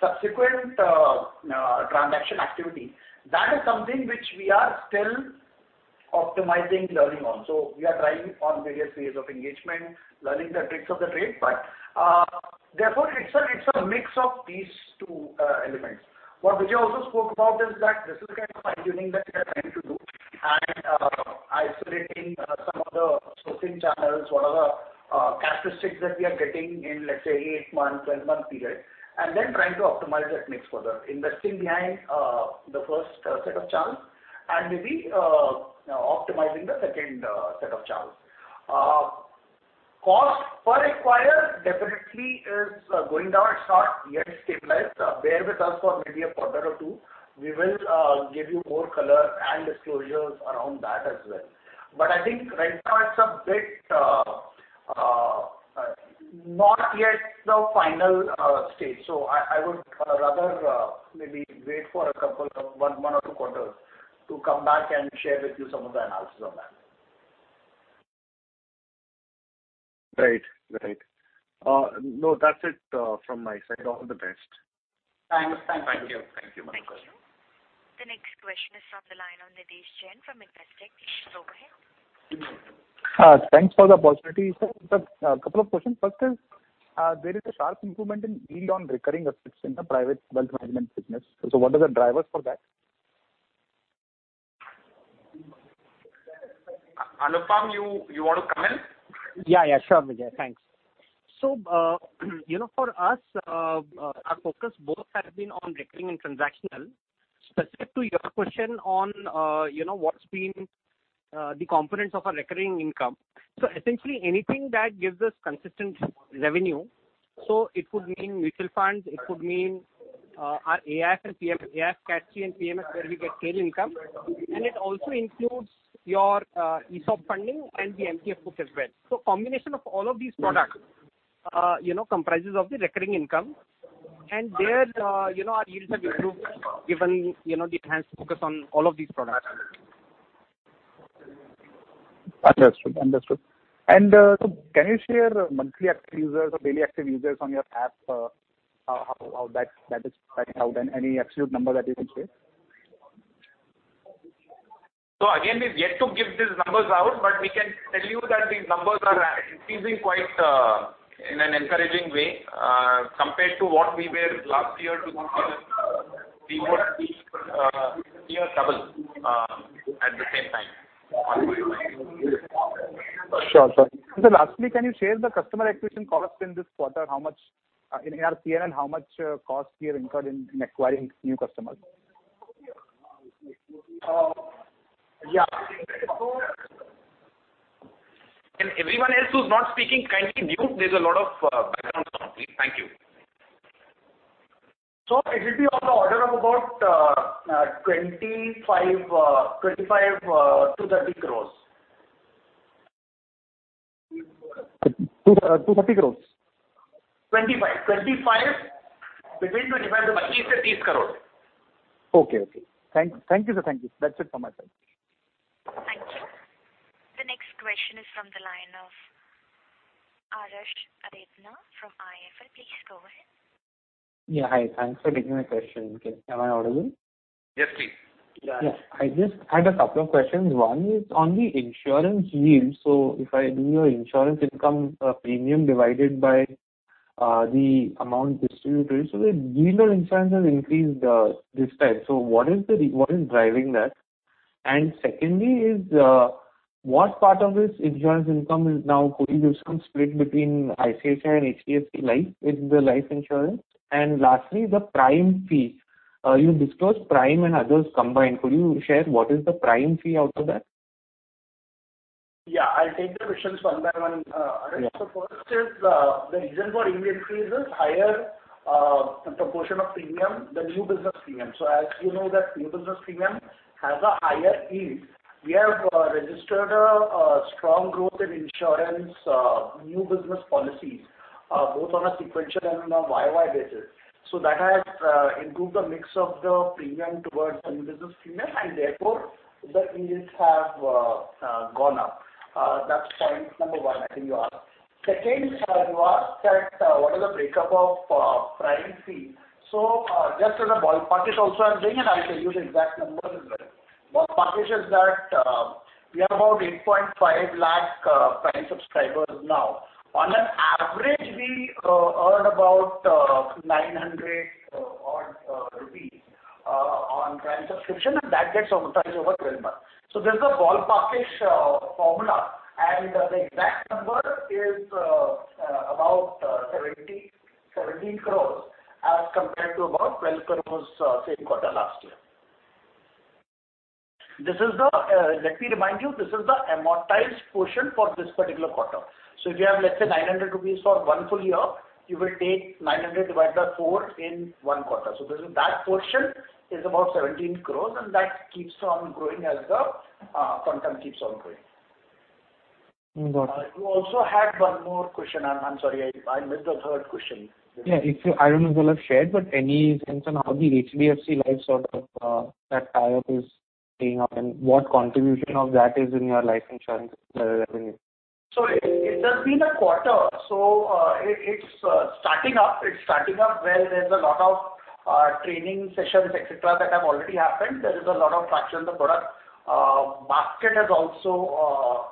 D: subsequent transaction activity? That is something which we are still optimizing learning on. We are trying on various ways of engagement, learning the tricks of the trade. Therefore, it's a mix of these two elements. What Vijay also spoke about is that this is the kind of fine-tuning that we are trying to do, isolating some of the sourcing channels, whatever characteristics that we are getting in, let's say, 8 months, 12-month period, trying to optimize that mix further. Investing behind the first set of channels and maybe optimizing the second set of channels. Cost per acquire definitely is going down. It's not yet stabilized. Bear with us for maybe a quarter or two. We will give you more color and disclosures around that as well. I think right now it's not yet the final stage. I would rather maybe wait for one or two quarters to come back and share with you some of the analysis on that.
I: Right. No, that's it from my side. All the best.
D: Thanks. Thank you, Madhukar Ladha.
A: Thank you. The next question is from the line of Nidhesh Jain from Investec. Please go ahead.
J: Thanks for the opportunity, sir. A couple of questions. First is, there is a sharp improvement in yield on recurring assets in the Private Wealth Management business. What are the drivers for that?
B: Anupam, you want to comment?
K: Yeah, sure Vijay. Thanks. For us, our focus both has been on recurring and transactional. Specific to your question on what's been the components of our recurring income. Essentially anything that gives us consistent revenue, so it could mean mutual funds, it could mean our AIF Category and PMS where we get trail income, and it also includes your ESOP funding and the MTF book as well. Combination of all of these products comprises of the recurring income. There our yields have improved given the enhanced focus on all of these products.
J: Understood. Can you share monthly active users or daily active users on your app? How that is panning out, and any absolute number that you can share?
D: Again, we've yet to give these numbers out, but we can tell you that these numbers are increasing quite in an encouraging way compared to what we were last year to this year. We were nearly 2x at the same time on a yearly basis.
J: Sure. Sir, lastly, can you share the customer acquisition cost in this quarter? In ARPN, how much cost we have incurred in acquiring new customers?
D: Yeah.
B: Can everyone else who's not speaking kindly mute? There's a lot of background noise. Thank you.
D: It will be on the order of about 25-30 crores.
J: 230 crores?
D: Between 25 crore-30 crore, 30 crore.
J: Okay. Thank you, sir. That is it from my side.
A: Thank you. The next question is from the line of Arash Arethna from IIFL. Please go ahead.
L: Yeah, hi. Thanks for taking my question. Am I audible?
D: Yes, please.
L: I just had a couple of questions. One is on the insurance yields. If I do your insurance income premium divided by the amount distributed, so the yield on insurance has increased this time. What is driving that? Secondly is, what part of this insurance income is now could you just split between ICICI and HDFC Life is the life insurance? Lastly, the Prime fee. You disclosed Prime and others combined. Could you share what is the Prime fee out of that?
D: Yeah. I'll take the questions one by one.
L: Yeah.
D: First is, the reason for yield increase is higher the proportion of premium, the new business premium. As you know that new business premium has a higher yield. We have registered a strong growth in insurance new business policies, both on a sequential and on a YOY basis. That has improved the mix of the premium towards new business premium, and therefore the yields have gone up. That's point number one I think you asked. Second, you asked that what is the breakup of Prime fee. Just as a ballparkish also I'm doing, and I'll tell you the exact number as well. Ballparkish is that we have about 8.5 lakh Prime subscribers now. On an average, we earn about 900 odd rupees on Prime subscription, and that gets amortized over 12 months. This is a ballparkish formula, and the exact number is about 17 crores as compared to about 12 crores same quarter last year. Let me remind you, this is the amortized portion for this particular quarter. If you have, let's say, 900 rupees for one full year, you will take 900 divided by four in one quarter. That portion is about 17 crores, and that keeps on growing as the content keeps on growing.
L: Got it.
D: You also had one more question. I'm sorry I missed the third question.
L: Yeah. I don't know if you'll have shared, but any sense on how the HDFC Life sort of that tie-up is panning out, and what contribution of that is in your life insurance revenue?
D: It has been a quarter. It's starting up well. There's a lot of training sessions, et cetera, that have already happened. There is a lot of traction. The product basket has also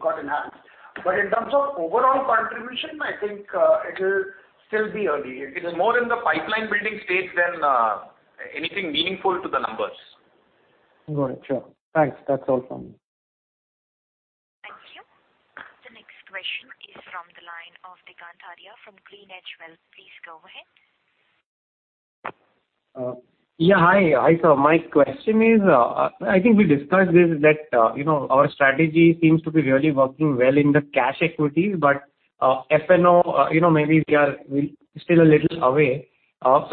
D: got enhanced. In terms of overall contribution, I think it'll still be early. It is more in the pipeline building stage than anything meaningful to the numbers.
L: Got it. Sure. Thanks. That's all from me.
A: Thank you. The next question is from the line of Digant Haria from GreenEdge Wealth. Please go ahead.
M: Yeah. Hi, sir. My question is, I think we discussed this, that our strategy seems to be really working well in the cash equities. F&O, maybe we are still a little away.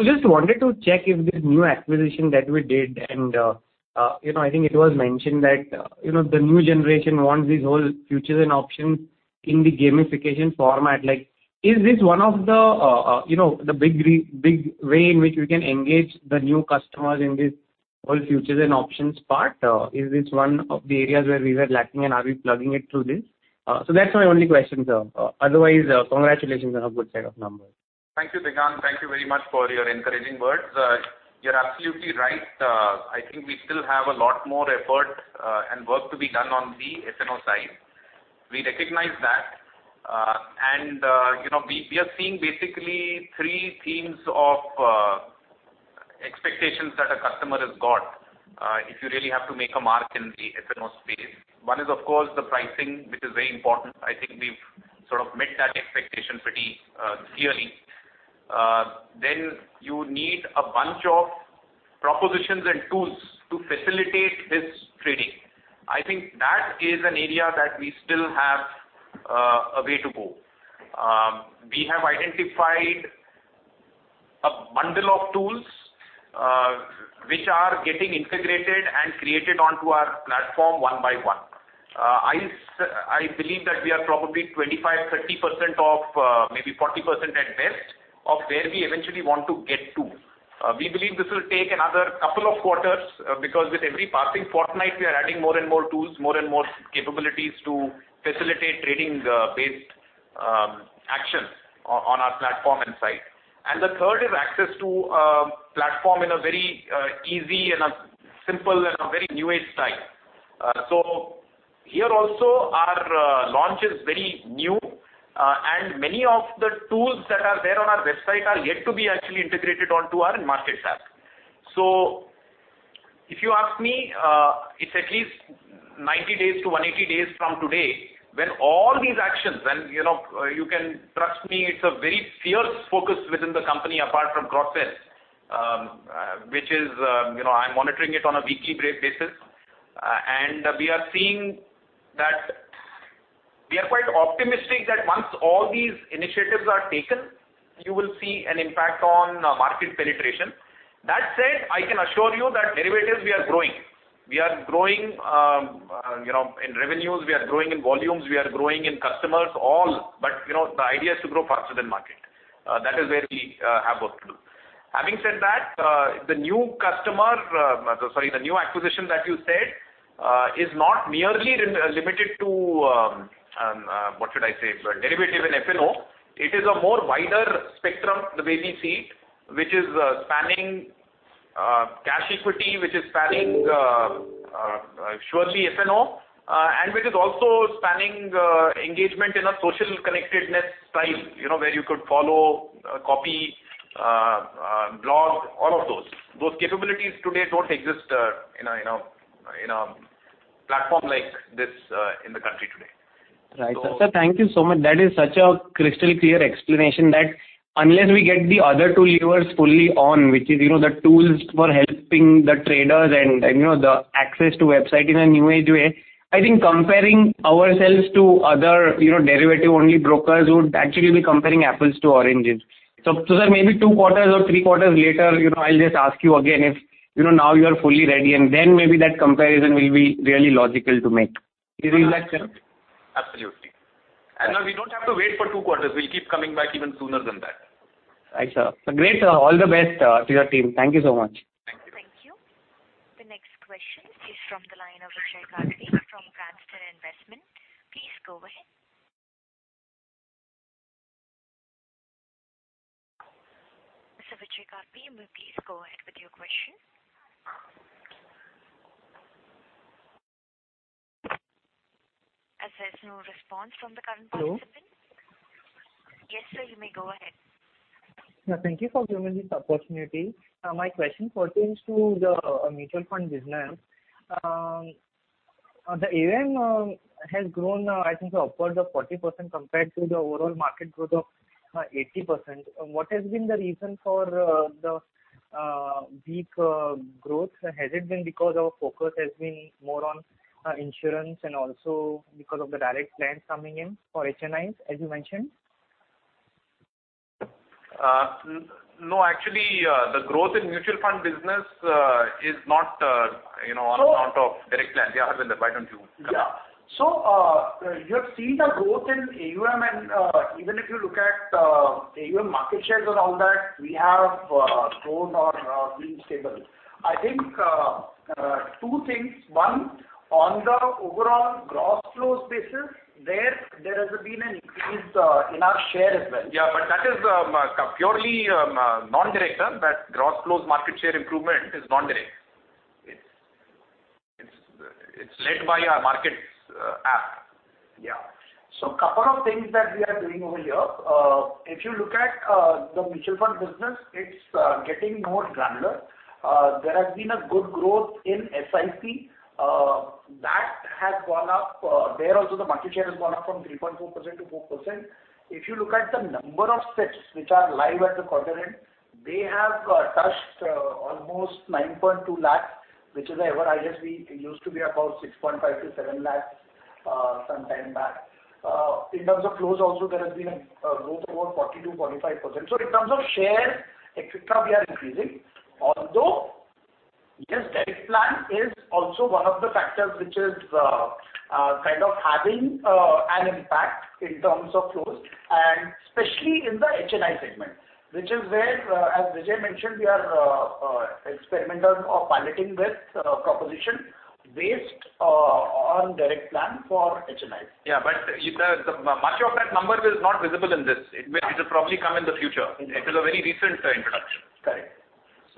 M: Just wanted to check if this new acquisition that we did and I think it was mentioned that the new generation wants this whole futures and options in the gamification format. Is this one of the big way in which we can engage the new customers in this whole futures and options part? Is this one of the areas where we were lacking, and are we plugging it through this? That's my only question, sir. Otherwise, congratulations on a good set of numbers.
B: Thank you, Digant. Thank you very much for your encouraging words. You're absolutely right. I think we still have a lot more effort and work to be done on the F&O side. We recognize that. We are seeing basically three themes of expectations that a customer has got if you really have to make a mark in the F&O space. One is, of course, the pricing, which is very important. I think we've sort of met that expectation pretty clearly. You need a bunch of propositions and tools to facilitate this trading. I think that is an area that we still have a way to go. We have identified a bundle of tools which are getting integrated and created onto our platform one by one. I believe that we are probably 25%-30%, maybe 40% at best, of where we eventually want to get to. We believe this will take another couple of quarters, because with every passing fortnight, we are adding more and more tools, more and more capabilities to facilitate trading-based actions on our platform and site. The third is access to a platform in a very easy and a simple and a very new age style. Here also, our launch is very new and many of the tools that are there on our website are yet to be actually integrated onto our ICICIdirect Markets. If you ask me, it's at least 90 days to 180 days from today when all these actions, and you can trust me, it's a very fierce focus within the company apart from cross-sell. I'm monitoring it on a weekly basis. We are quite optimistic that once all these initiatives are taken, you will see an impact on market penetration. That said, I can assure you that derivatives we are growing. We are growing in revenues, we are growing in volumes, we are growing in customers, all. The idea is to grow faster than market. That is where we have work to do. Having said that, the new acquisition that you said is not merely limited to derivative and F&O. It is a more wider spectrum, the way we see it, which is spanning cash equity, which is spanning surely F&O, and which is also spanning engagement in a social connectedness style, where you could follow, copy, blog, all of those. Those capabilities today don't exist in a platform like this in the country today.
M: Right. Sir, thank you so much. That is such a crystal clear explanation that unless we get the other two levers fully on, which is the tools for helping the traders and the access to website in a new age way, I think comparing ourselves to other derivative-only brokers would actually be comparing apples to oranges. Sir, maybe two quarters or three quarters later, I'll just ask you again if now you are fully ready, and then maybe that comparison will be really logical to make. Is it like that?
B: Absolutely. We don't have to wait for two quarters. We'll keep coming back even sooner than that.
M: Right, sir. Great, sir. All the best to your team. Thank you so much.
B: Thank you.
A: Thank you. The next question is from the line of Vijay Karpe from Cranston Investment. Please go ahead. Mr. Vijay Karpe, you may please go ahead with your question. As there's no response from the current participant-
N: Hello.
A: Yes, sir. You may go ahead.
N: Thank you for giving me this opportunity. My question pertains to the mutual fund business. The AUM has grown, I think upwards of 40% compared to the overall market growth of 80%. What has been the reason for the weak growth? Has it been because our focus has been more on insurance and also because of the direct plans coming in for HNIs, as you mentioned?
B: No. Actually, the growth in mutual fund business is not on account of direct plans. Harvinder, why don't you?
D: Yeah. You have seen the growth in AUM, even if you look at AUM market shares and all that, we have grown or been stable. I think two things. One, on the overall gross flows basis, there has been an increase in our share as well.
B: Yeah, that is purely non-direct. That gross flows market share improvement is non-direct. It's led by our Markets app.
D: Yeah. A couple of things that we are doing over here. If you look at the mutual fund business, it is getting more granular. There has been a good growth in SIP. There also the market share has gone up from 3.4%-4%. If you look at the number of SIPs which are live at the quarter end, they have touched almost 9.2 lakh, which is the ever highest. It used to be about 6.5 lakh-7 lakh sometime back. In terms of flows also, there has been a growth of about 40%-45%. In terms of shares, et cetera, we are increasing. Although, yes, direct plan is also one of the factors which is kind of having an impact in terms of flows, and especially in the HNI segment, which is where, as Vijay mentioned, we are experimental of piloting with proposition based on direct plan for HNI.
B: Yeah, much of that number is not visible in this. It will probably come in the future. It is a very recent introduction.
D: Correct.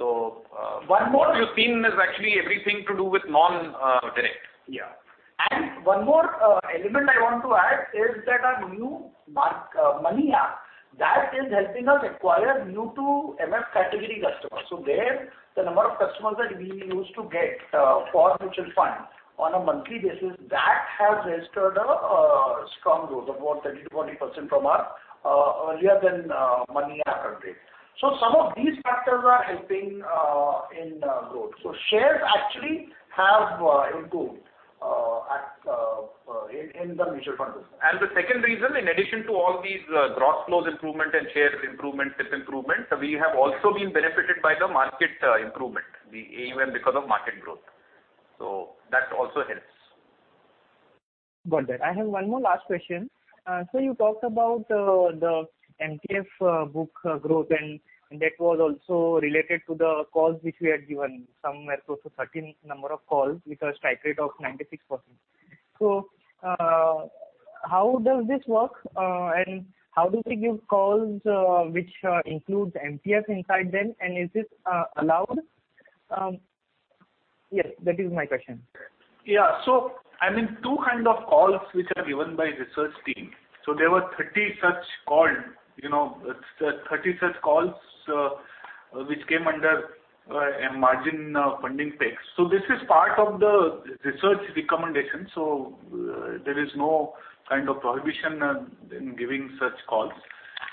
B: What you've seen is actually everything to do with non-direct.
D: One more element I want to add is that our new Money App, that is helping us acquire new to MF category customers. There, the number of customers that we used to get for mutual funds on a monthly basis, that has registered a strong growth of about 30%-40% from our earlier than Money App uptake. Some of these factors are helping in growth. Shares actually have improved in the mutual fund business.
B: The second reason, in addition to all these gross flows improvement and share improvement, SIP improvement, we have also been benefited by the market improvement, the AUM because of market growth. That also helps.
N: Got that. I have one more last question. You talked about the MTF book growth, and that was also related to the calls which we had given, somewhere close to 30 number of calls with a strike rate of 96%. How does this work? How do we give calls which includes MTF inside them? Is this allowed? Yes, that is my question.
G: I mean, two kind of calls which are given by research team. There were 30 such calls which came under a margin funding trades. This is part of the research recommendation, there is no kind of prohibition in giving such calls.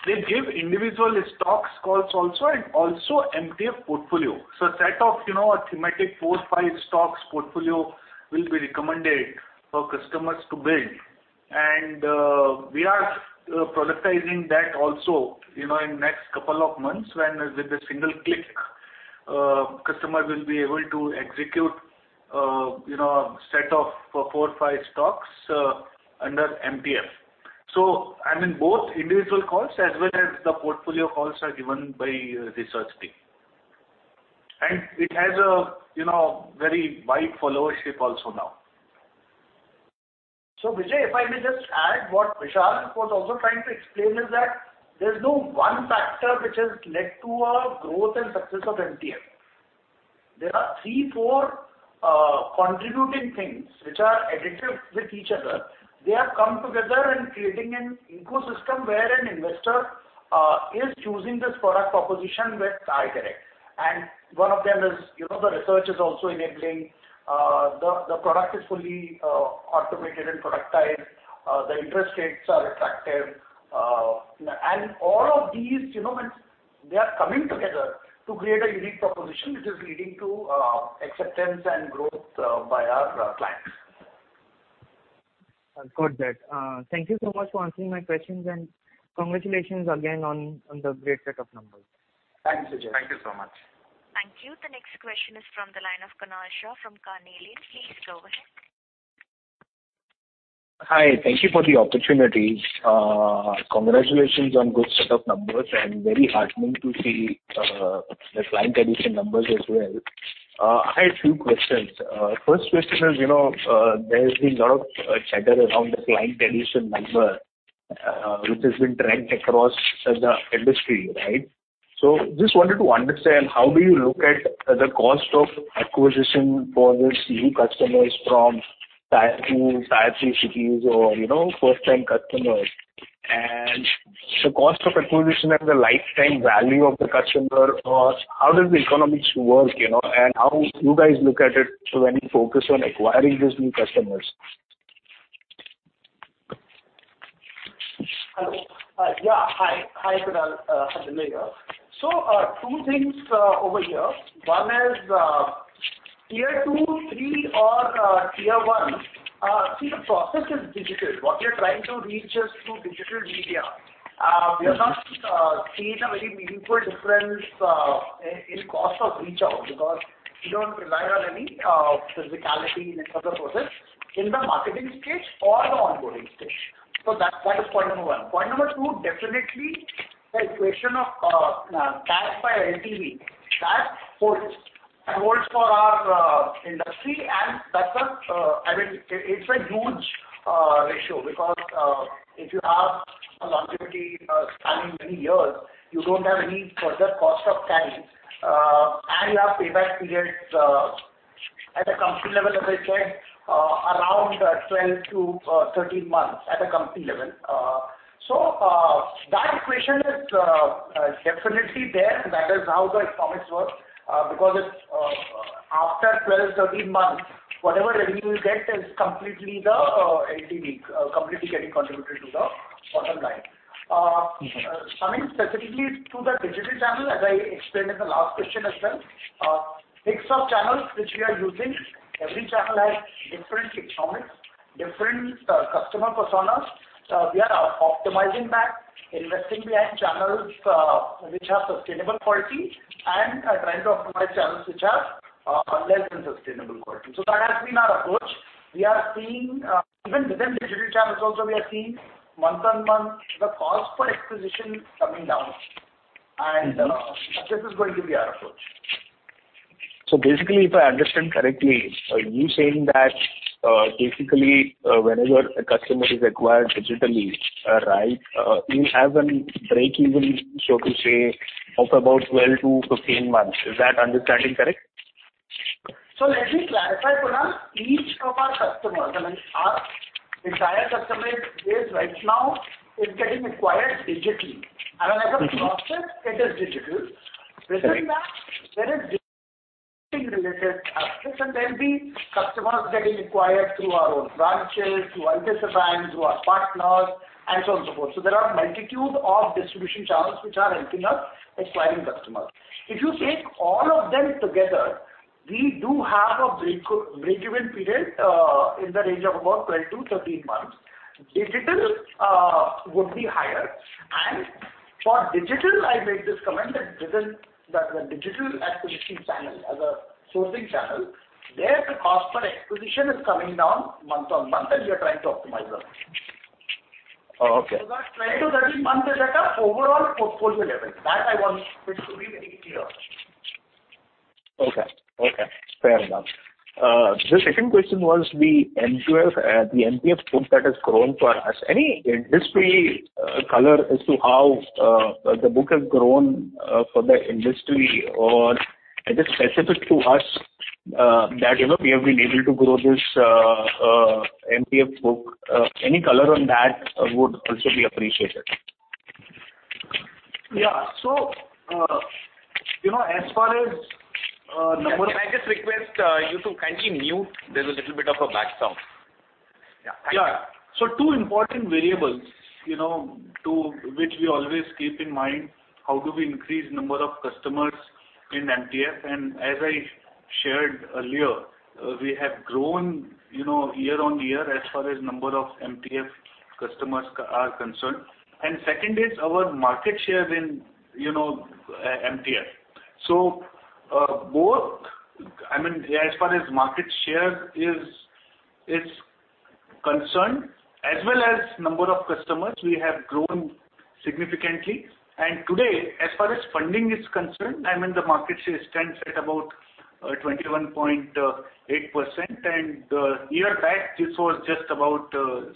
G: They give individual stocks calls also and also MTF portfolio. A set of a thematic four, five stocks portfolio will be recommended for customers to build. We are productizing that also in next couple of months, when with a single click, customers will be able to execute a set of four or five stocks under MTF. I mean, both individual calls as well as the portfolio calls are given by research team. It has a very wide followership also now.
D: Vijay, if I may just add what Vishal was also trying to explain is that there's no one factor which has led to our growth and success of MTF. There are three, four contributing things which are additive with each other. They have come together in creating an ecosystem where an investor is choosing this product proposition with ICICI Direct. One of them is the research is also enabling, the product is fully automated and productized. The interest rates are attractive. All of these, when they are coming together to create a unique proposition, which is leading to acceptance and growth by our clients.
N: I've got that. Thank you so much for answering my questions, and congratulations again on the great set of numbers.
D: Thanks, Vijay.
B: Thank you so much.
A: Thank you. The next question is from the line of Kunal Shah from Carnelian. Please go ahead.
O: Hi. Thank you for the opportunity. Congratulations on good set of numbers and very heartening to see the client addition numbers as well. I had few questions. First question is, there's been lot of chatter around the client addition number, which has been trend across the industry, right? Just wanted to understand how do you look at the cost of acquisition for these new customers from Tier 2, Tier 3 cities or first-time customers. Cost of acquisition and the lifetime value of the customer or how does the economics work, and how you guys look at it when you focus on acquiring these new customers?
D: Hello. Yeah, hi, Kunal. Harvinder here. Two things over here. One is, Tier 2, 3 or Tier 1. See, the process is digital. What we are trying to reach is through digital media. We have not seen a very meaningful difference in cost of reach out because we don't rely on any phygitality in any further process in the marketing stage or the onboarding stage. That is point number one. Point number two, definitely the equation of CAC by LTV, that holds. That holds for our industry, and I mean, it's a huge ratio because if you have a longevity spanning many years, you don't have any further cost of carrying and you have payback periods At a company level, as I said, around 12 to 13 months at a company level. That equation is definitely there. That is how the economics work, because after 12, 13 months, whatever revenue you get is completely getting contributed to the bottom line. Coming specifically to the digital channel, as I explained in the last question as well, mix of channels which we are using, every channel has different economics, different customer personas. We are optimizing that, investing behind channels which have sustainable quality and trying to optimize channels which have less than sustainable quality. That has been our approach. Even within digital channels also, we are seeing month-on-month, the cost per acquisition coming down, and this is going to be our approach.
O: Basically, if I understand correctly, are you saying that basically whenever a customer is acquired digitally, you have a break-even, so to say, of about 12 to 13 months. Is that understanding correct?
D: Let me clarify, Kunal Shah. Each of our customers, our entire customer base right now is getting acquired digitally and as a process it is digital. Within that, there is digital marketing related aspects and then the customers getting acquired through our own branches, through ULIPs and banks, through our partners, and so on, so forth. There are a multitude of distribution channels which are helping us acquiring customers. If you take all of them together, we do have a break-even period in the range of about 12-13 months. Digital would be higher. For digital, I made this comment that the digital acquisition channel as a sourcing channel, there the cost per acquisition is coming down month on month, and we are trying to optimize the same.
O: Oh, okay.
D: That 12 to 13 months is at a overall portfolio level. That I wanted to be very clear on.
O: Okay. Fair enough. The second question was the MTF book that has grown for us. Any industry color as to how the book has grown for the industry or is it specific to us that we have been able to grow this MTF book? Any color on that would also be appreciated.
D: Yeah.
B: Can I just request you to kindly mute? There's a little bit of a background.
O: Yeah.
G: Yeah. Two important variables which we always keep in mind, how do we increase number of customers in MTF? As I shared earlier, we have grown year-on-year as far as number of MTF customers are concerned. Second is our market share in MTF. Both, as far as market share is concerned, as well as number of customers, we have grown significantly. Today, as far as funding is concerned, the market share stands at about 21.8%, and a year back, this was just about 17%.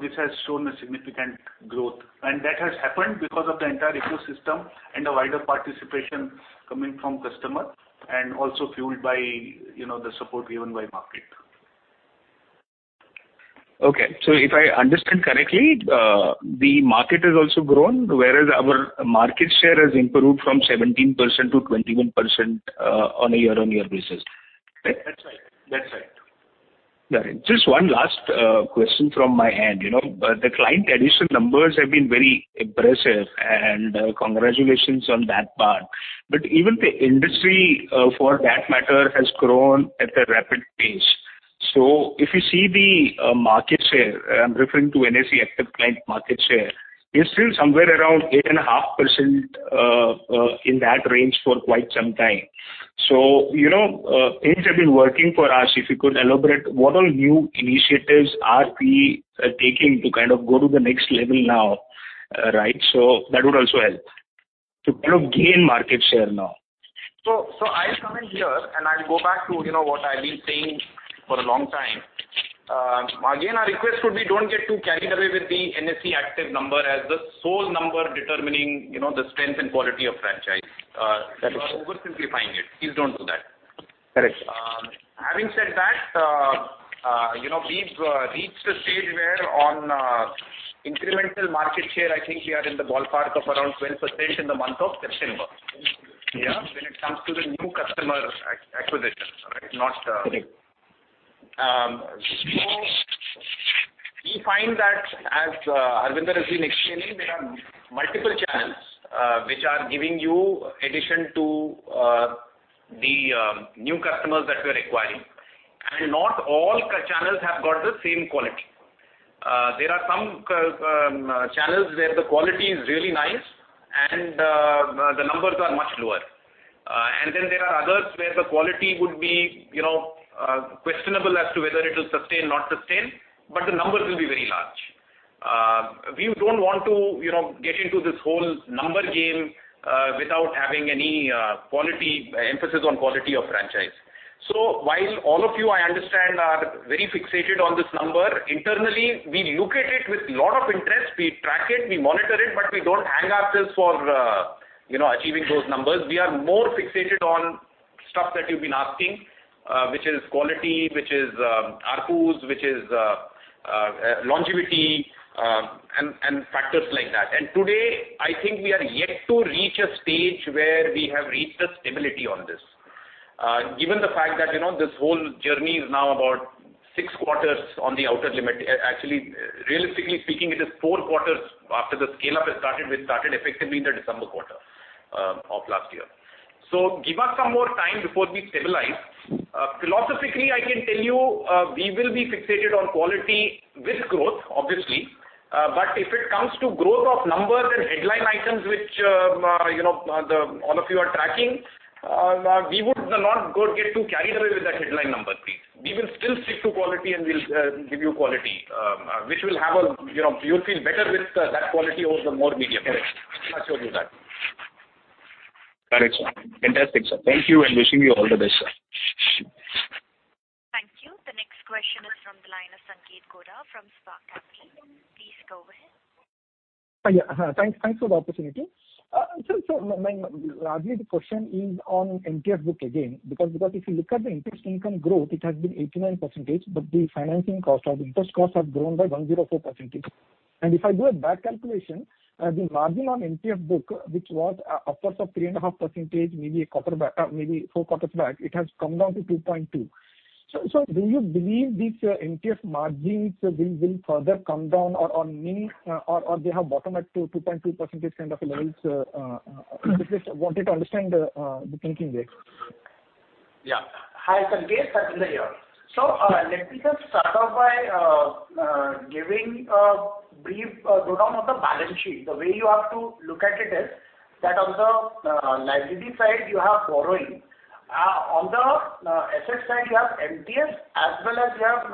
G: This has shown a significant growth, and that has happened because of the entire ecosystem and the wider participation coming from customer and also fueled by the support given by market.
O: Okay. If I understand correctly, the market has also grown, whereas our market share has improved from 17%-21% on a year-on-year basis. Right?
G: That's right.
O: Got it. Just one last question from my end. The client addition numbers have been very impressive, and congratulations on that part. Even the industry, for that matter, has grown at a rapid pace. If you see the market share, I'm referring to NSE active client market share, it's still somewhere around 8.5% in that range for quite some time. Things have been working for us. If you could elaborate, what all new initiatives are we taking to kind of go to the next level now? That would also help to kind of gain market share now.
B: I'll come in here, and I'll go back to what I've been saying for a long time. Again, our request would be don't get too carried away with the NSE active number as the sole number determining the strength and quality of franchise.
O: That is true.
B: You are over simplifying it. Please don't do that.
O: Correct.
B: Having said that, we've reached a stage where on incremental market share, I think we are in the ballpark of around 12% in the month of September.
O: Interesting.
B: When it comes to the new customer acquisition.
O: Correct.
B: We find that, as Harvinder has been explaining, there are multiple channels which are giving you addition to the new customers that we're acquiring, and not all channels have got the same quality. There are some channels where the quality is really nice and the numbers are much lower. Then there are others where the quality would be questionable as to whether it will sustain, not sustain, but the numbers will be very large. We don't want to get into this whole number game without having any emphasis on quality of franchise. While all of you, I understand, are very fixated on this number, internally, we look at it with lot of interest. We track it, we monitor it, but we don't hang ourselves for achieving those numbers. We are more fixated on stuff that you've been asking, which is quality, which is ARPU, which is longevity and factors like that. Today, I think we are yet to reach a stage where we have reached a stability on this. Given the fact that this whole journey is now about six quarters on the outer limit. Actually, realistically speaking, it is four quarters after the scale-up has started, which started effectively in the December quarter of last year. Give us some more time before we stabilize. Philosophically, I can tell you, we will be fixated on quality with growth, obviously. If it comes to growth of numbers and headline items, which all of you are tracking, we would not get too carried away with that headline number. We will still stick to quality and we'll give you quality. You'll feel better with that quality over the more media. I assure you that.
O: Got it. Fantastic. Thank you and wishing you all the best, sir.
A: Thank you. The next question is from the line of Sanketh Godha from Spark Capital. Please go ahead.
P: Yeah. Thanks for the opportunity. My question is on MTF book again, because if you look at the interest income growth, it has been 89%, but the financing cost or the interest costs have grown by 104%. If I do a back calculation, the margin on MTF book, which was upwards of 3.5% maybe four quarters back, it has come down to 2.2. Do you believe these MTF margins will further come down or they have bottomed at 2.2% kind of levels? I just wanted to understand the thinking there.
D: Yeah. Hi, Sanket. Harvinder here. Let me just start off by giving a brief rundown of the balance sheet. The way you have to look at it is that on the liability side, you have borrowing. On the assets side, you have MTFs as well as you have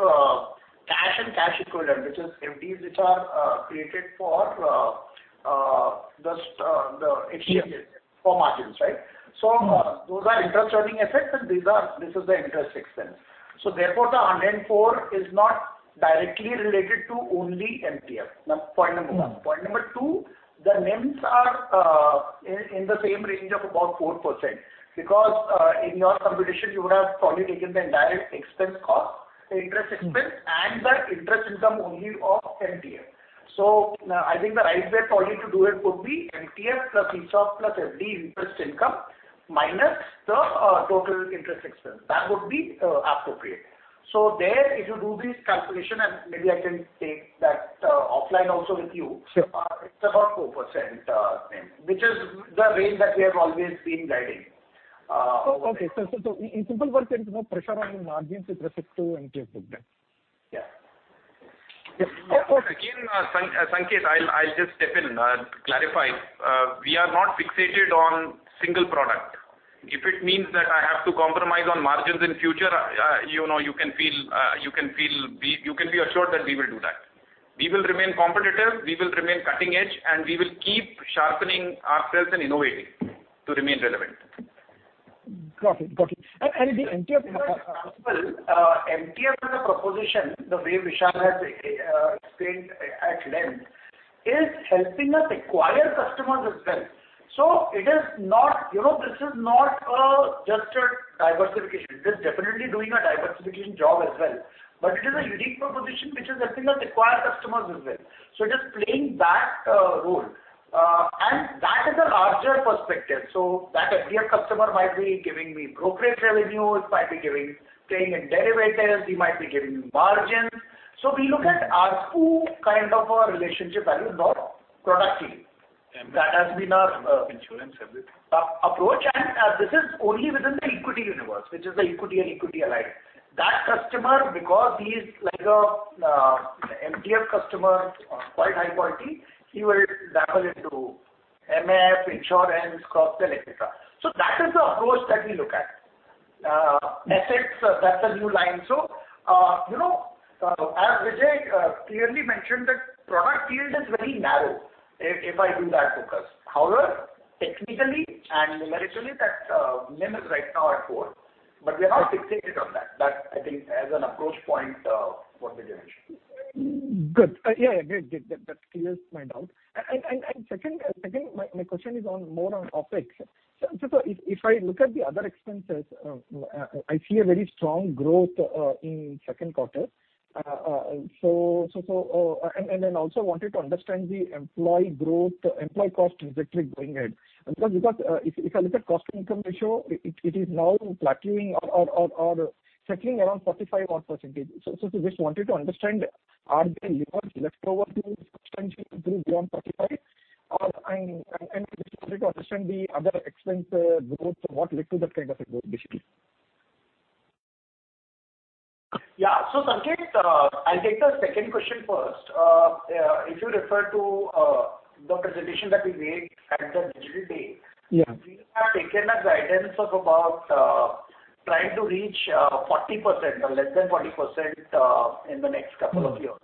D: cash and cash equivalent, which is FDs, which are created for the F&O for margins. Right? Those are interest earning assets and this is the interest expense. Therefore the NIM is not directly related to only MTF. That's point number one. Point number two, the NIMs are in the same range of about 4%, because in your computation, you would have probably taken the entire expense cost, interest expense, and the interest income only of MTF. I think the right way for you to do it would be MTF plus ESOP plus FD interest income minus the total interest expense. That would be appropriate. There, if you do this calculation, and maybe I can take that offline also with you.
P: Sure.
D: it's about 4% NIM, which is the range that we have always been guiding.
P: Okay. In simple words, there is no pressure on your margins with respect to MTF book then.
D: Yeah.
B: Sanket, I'll just step in and clarify. We are not fixated on single product. If it means that I have to compromise on margins in future, you can be assured that we will do that. We will remain competitive, we will remain cutting edge, and we will keep sharpening ourselves and innovating to remain relevant.
P: Got it. The MTF-
D: MTF as a proposition, the way Vishal has explained at length, is helping us acquire customers as well. This is not just a diversification. This is definitely doing a diversification job as well. It is a unique proposition which is helping us acquire customers as well. It is playing that role. That is a larger perspective. That MTF customer might be giving me brokerage revenues, might be trading in derivatives. He might be giving me margins. We look at ARPU kind of a relationship value, not product fee. That has been our approach. This is only within the equity universe, which is the equity and equity-aligned. That customer, because he is like a MTF customer, quite high quality, he will dabble into MF, insurance, cross-sell, et cetera. That is the approach that we look at. Assets, that's a new line. As Vijay clearly mentioned, that product yield is very narrow if I do that focus. However, technically and numerically, that NIM is right now at 4, but we are not fixated on that. That I think as an approach point for the division.
P: Good. Yeah, great. That clears my doubt. Second, my question is more on OpEx. If I look at the other expenses, I see a very strong growth in second quarter. Also wanted to understand the employee cost trajectory going ahead. If I look at cost income ratio, it is now plateauing or settling around 45%. Just wanted to understand, are there levers left over to substantially improve beyond 45%? Just wanted to understand the other expense growth. What led to that kind of a growth basically?
D: Yeah. Sanket, I'll take the second question first. If you refer to the presentation that we made at the Digital Day.
P: Yeah.
D: We have taken a guidance of about trying to reach 40% or less than 40% in the next couple of years.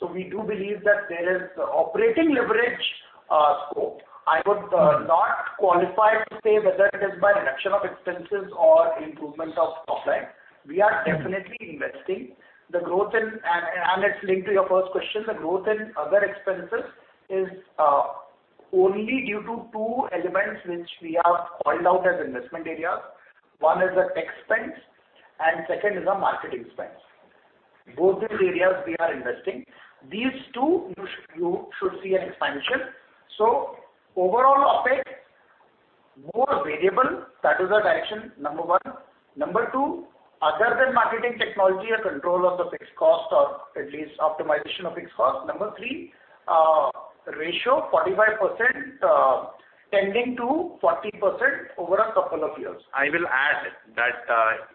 D: We do believe that there is operating leverage scope. I would not qualify to say whether it is by reduction of expenses or improvement of top line. We are definitely investing. It's linked to your first question. The growth in other expenses is only due to two elements which we have called out as investment areas. One is the tech expense and two is the marketing expense. Both these areas we are investing. These two you should see an expansion. Overall OPEX, more variable, that is the direction, number one. Number two, other than marketing technology or control of the fixed cost or at least optimization of fixed cost. Number two, ratio 45% tending to 40% over a couple of years.
B: I will add that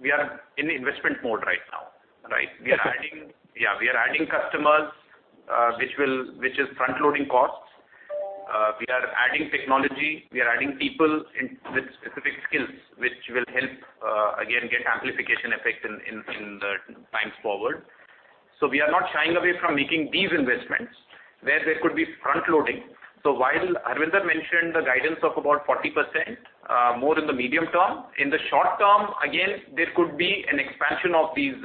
B: we are in investment mode right now. We are adding customers, which is front-loading costs. We are adding technology, we are adding people with specific skills, which will help again get amplification effect in the times forward. We are not shying away from making these investments where there could be front-loading. While Harvinder mentioned the guidance of about 40% more in the medium term, in the short term, again, there could be an expansion of these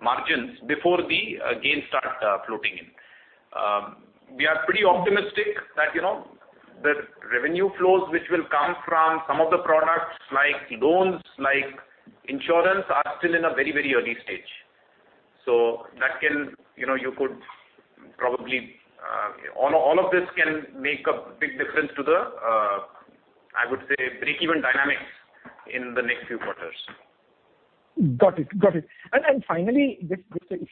B: margins before the gains start floating in. We are pretty optimistic that the revenue flows which will come from some of the products like loans, like insurance, are still in a very early stage. All of this can make a big difference to the break-even dynamics in the next few quarters.
P: Got it. Finally, if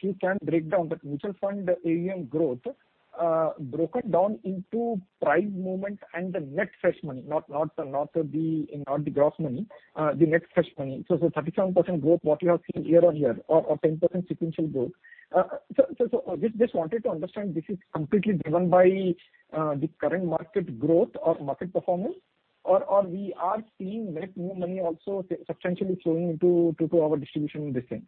P: you can break down the mutual fund AUM growth, broken down into price movement and the net fresh money, not the gross money the net fresh money. 37% growth, what you have seen YoY or 10% sequential growth. Just wanted to understand, this is completely driven by the current market growth or market performance or we are seeing net new money also substantially flowing into our distribution this time?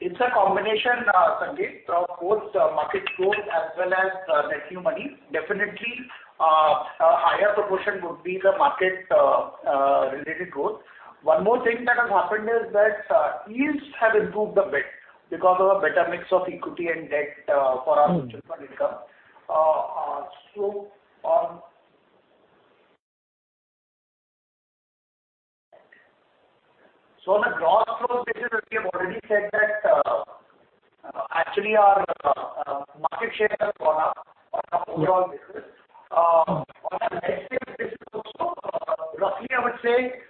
D: It's a combination, Sanket, of both market growth as well as net new money. Definitely, a higher proportion would be the market-related growth. One more thing that has happened is that yields have improved a bit because of a better mix of equity and debt for our mutual fund income. On a gross flow basis, we have already said that actually our market share has gone up on an overall basis. On a net sales basis also, roughly I would say,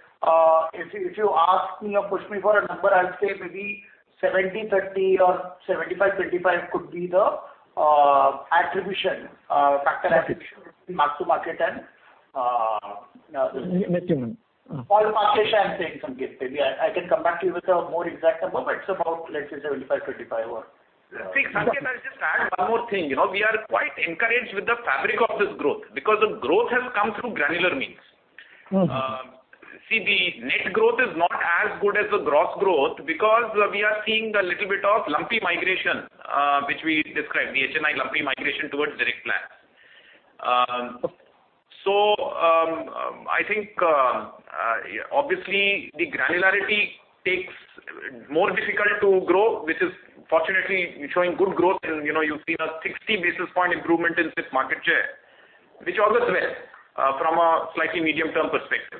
D: if you ask me or push me for a number, I'll say maybe 70/30 or 75/25 could be the attribution, factor attribution mark to market.
P: Net new money.
D: For market share, I'm saying, Sanket. Maybe I can come back to you with a more exact number, but it's about, let's say, 75, 25.
B: See, Sanket, I'll just add one more thing. We are quite encouraged with the fabric of this growth because the growth has come through granular means. The net growth is not as good as the gross growth because we are seeing a little bit of lumpy migration which we described, the HNI lumpy migration towards direct plans. I think obviously the granularity takes more difficult to grow, which is fortunately showing good growth and you've seen a 60 basis point improvement in this market share, which always helps from a slightly medium-term perspective.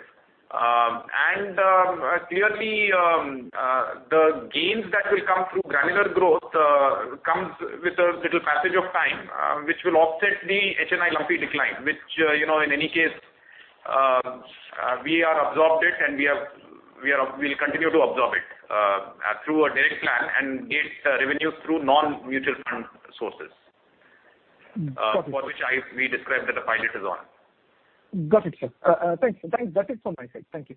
B: Clearly the gains that will come through granular growth comes with a little passage of time which will offset the HNI lumpy decline, which in any case we are absorbed it and we'll continue to absorb it through a direct plan and get revenues through non-mutual fund sources.
P: Got it.
B: For which we described that the pilot is on.
P: Got it, sir. Thanks. That is all from my side. Thank you.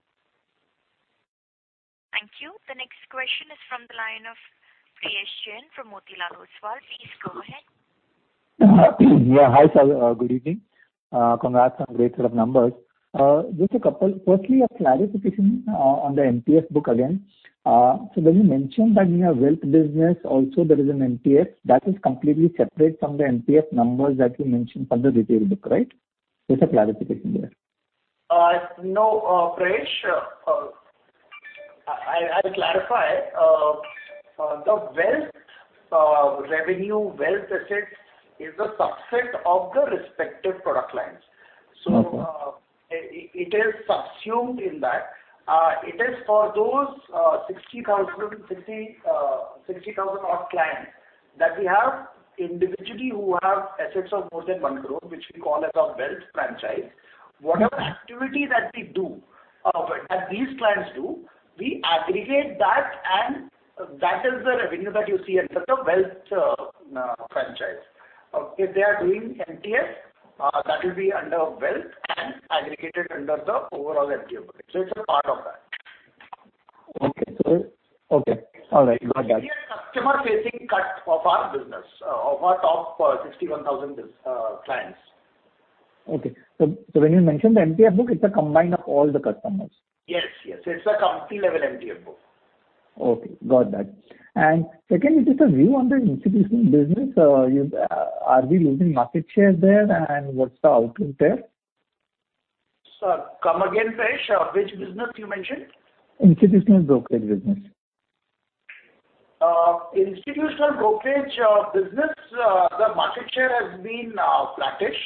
A: Thank you. The next question is from the line of Prayesh Jain from Motilal Oswal. Please go ahead.
Q: Yeah. Hi sir, good evening. Congrats on great set of numbers. Firstly, a clarification on the MTF book again. When you mentioned that in your wealth business also there is an MTF that is completely separate from the MTF numbers that you mentioned from the retail book, right? Just a clarification there.
D: No, Prayesh. I'll clarify. The wealth revenue, wealth assets is a subset of the respective product lines. It is subsumed in that. It is for those 60,000 odd clients that we have individually who have assets of more than 1 crore, which we call as our wealth franchise. Whatever activity that we do, as these clients do, we aggregate that and that is the revenue that you see under the wealth franchise. If they are doing MTF that will be under wealth and aggregated under the overall AUM. It's a part of that.
Q: Okay. All right. Got that.
D: It is a customer-facing cut of our business, of our top 61,000 clients.
Q: Okay. when you mention the MTF book, it's a combine of all the customers?
D: Yes. It's a company-level MTF book.
Q: Okay, got that. Second, just a view on the institutional business. Are we losing market share there and what's the outlook there?
D: Sir, come again, Prayesh. Which business you mentioned?
Q: Institutional brokerage business.
D: Institutional brokerage business, the market share has been flattish.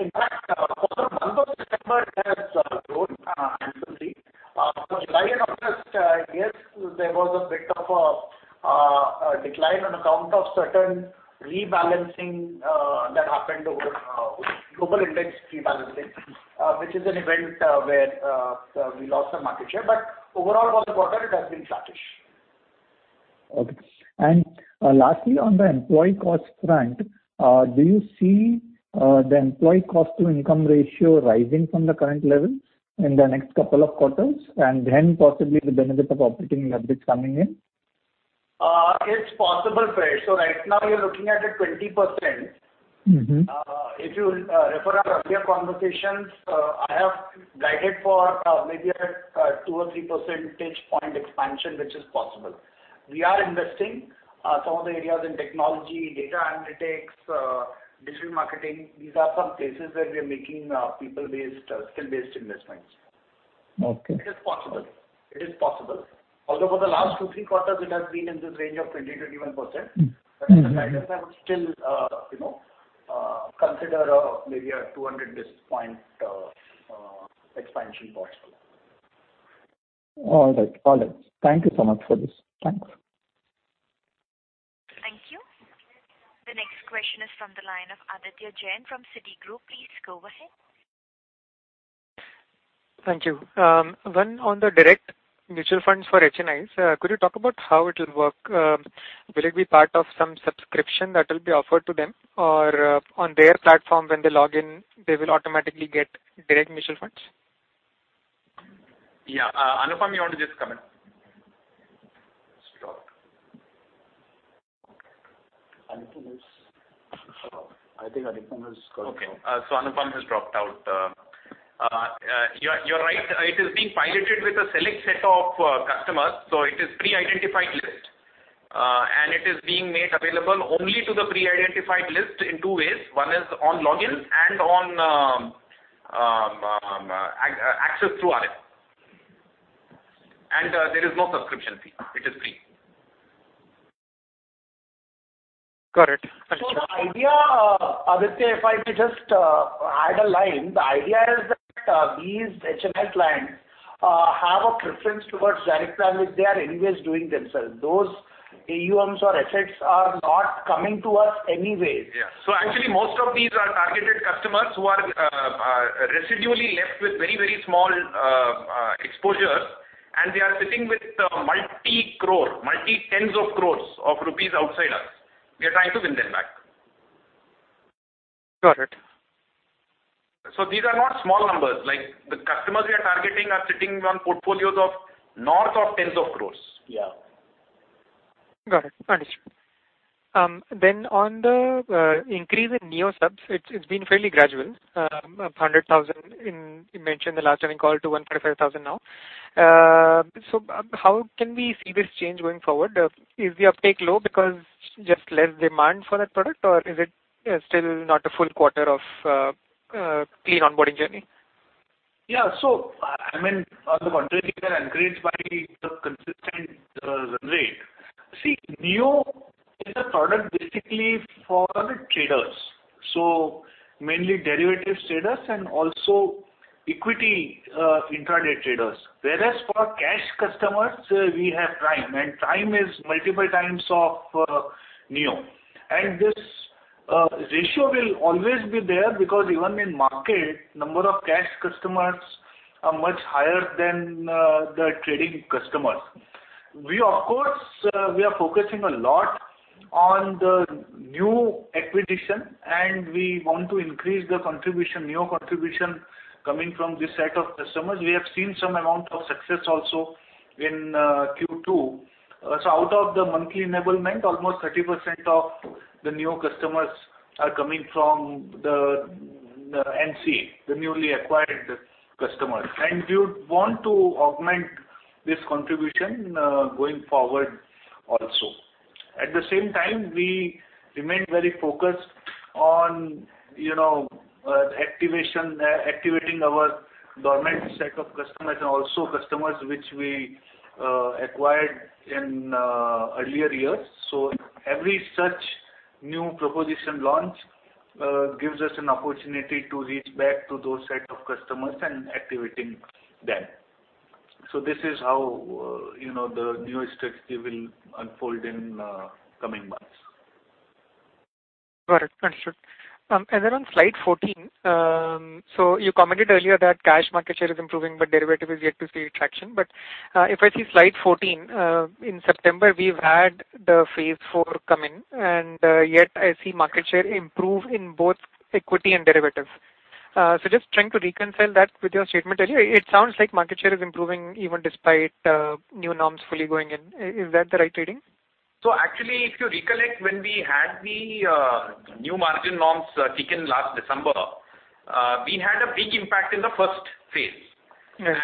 D: In fact, for the month of September it has grown annually. For July and August, yes, there was a bit of a decline on account of certain rebalancing that happened over global index rebalancing which is an event where we lost some market share. Overall, for the quarter, it has been flattish.
Q: Okay. Lastly, on the employee cost front, do you see the employee cost to income ratio rising from the current level in the next two quarters and then possibly the benefit of operating leverage coming in?
D: It's possible, Prayesh. Right now you're looking at it 20%. If you refer our earlier conversations, I have guided for maybe a 2% or 3% percentage point expansion, which is possible. We are investing some of the areas in technology, data analytics, digital marketing. These are some places where we are making people-based, skill-based investments.
Q: Okay.
D: It is possible. Although for the last two, three quarters, it has been in this range of 20%, 21%. As a guidance, I would still consider maybe a 200 basis point expansion possible.
Q: All right. Thank you so much for this. Thanks.
A: Thank you. The next question is from the line of Aditya Jain from Citigroup. Please go ahead.
R: Thank you. One on the direct mutual funds for HNIs. Could you talk about how it'll work? Will it be part of some subscription that will be offered to them? On their platform when they log in, they will automatically get direct mutual funds?
B: Yeah. Anupam, you want to just comment? He's dropped.
D: I think Anupam has dropped.
B: Okay. Anupam has dropped out. You're right. It is being piloted with a select set of customers, so it is pre-identified list. It is being made available only to the pre-identified list in two ways. One is on login and on access through RM. There is no subscription fee. It is free.
R: Got it. Thank you.
D: The idea, Aditya, if I may just add a line, the idea is that these HNI clients have a preference towards direct plan, which they are anyways doing themselves. Those AUMs or assets are not coming to us anyway.
B: Yeah. Actually, most of these are targeted customers who are residually left with very small exposures and they are sitting with multi-crore, multi tens of crores of rupees outside us. We are trying to win them back.
R: Got it.
B: These are not small numbers. The customers we are targeting are sitting on portfolios of north of 10s of crores.
D: Yeah.
R: Got it. Understood. On the increase in Neo subs, it's been fairly gradual. 100,000 you mentioned the last earnings call to 135,000 now. How can we see this change going forward? Is the uptake low because just less demand for that product, or is it still not a full quarter of clean onboarding journey?
G: Yeah. The quantities here are encouraged by the consistent run rate. Neo is a product basically for the traders. Mainly derivative traders and also equity intraday traders. Whereas for cash customers, we have Prime, and Prime is multiple times of Neo. This ratio will always be there because even in market, number of cash customers are much higher than the trading customers. We of course are focusing a lot on the new acquisition and we want to increase the Neo contribution coming from this set of customers. We have seen some amount of success also in Q2. Out of the monthly enablement, almost 30% of the Neo customers are coming from the NC, the newly acquired customers. We want to augment this contribution going forward also. At the same time, we remain very focused on activating our dormant set of customers and also customers which we acquired in earlier years. Every such new proposition launch gives us an opportunity to reach back to those set of customers and activating them. This is how the Neo strategy will unfold in coming months.
R: Got it. Understood. On slide 14, you commented earlier that cash market share is improving but derivative is yet to see traction. If I see slide 14, in September we've had the phase IV come in and yet I see market share improve in both equity and derivatives. Just trying to reconcile that with your statement earlier. It sounds like market share is improving even despite new norms fully going in. Is that the right reading?
G: Actually, if you recollect when we had the new margin norms kick in last December, we had a big impact in the first phase.
R: Yeah.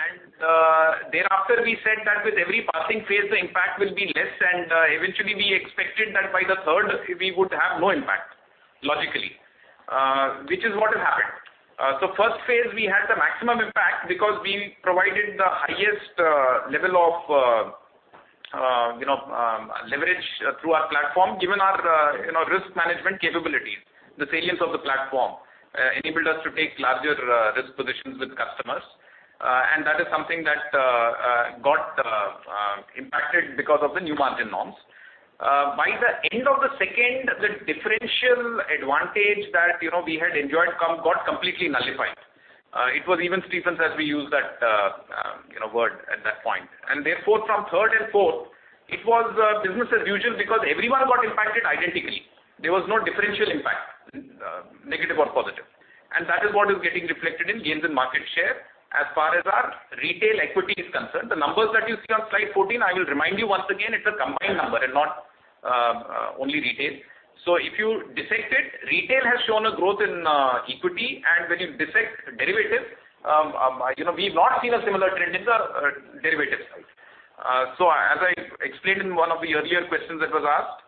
G: Thereafter, we said that with every passing phase, the impact will be less and eventually we expected that by the third, we would have no impact, logically, which is what has happened. First phase, we had the maximum impact because we provided the highest level of leverage through our platform, given our risk management capabilities. The salience of the platform enabled us to take larger risk positions with customers and that is something that got impacted because of the new margin norms. By the end of the second, the differential advantage that we had enjoyed got completely nullified. It was even Stevens as we used that word at that point. Therefore from third and fourth, it was business as usual because everyone got impacted identically. There was no differential impact, negative or positive. That is what is getting reflected in gains in market share as far as our retail equity is concerned. The numbers that you see on slide 14, I will remind you once again, it's a combined number and not only retail. If you dissect it, retail has shown a growth in equity and when you dissect derivative, we've not seen a similar trend in the derivative side. As I explained in one of the earlier questions that was asked,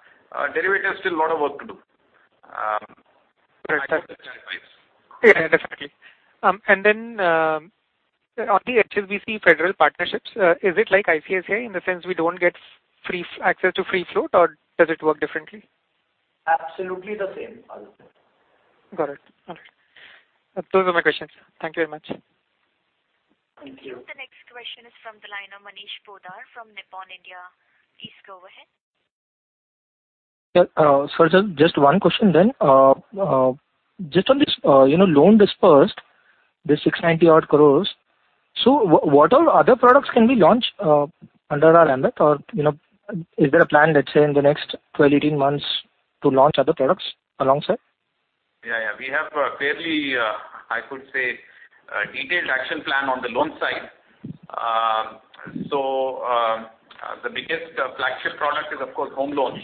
G: derivative still a lot of work to do.
R: Yeah, definitely. On the HSBC Federal partnerships, is it like ICICI in the sense we don't get access to free float or does it work differently?
G: Absolutely the same.
R: Got it. All right. Those are my questions. Thank you very much.
A: Thank you. The next question is from the line of Manish Poddar from Nippon India. Please go ahead.
S: Sir, just one question then. Just on this loan disbursed, this 690 odd crores. What are other products can be launched under our ambit? Is there a plan, let's say, in the next 12, 18 months to launch other products alongside?
B: Yeah, yeah, we have I could say detailed action plan on the loan side. The biggest flagship product is, of course, home loans.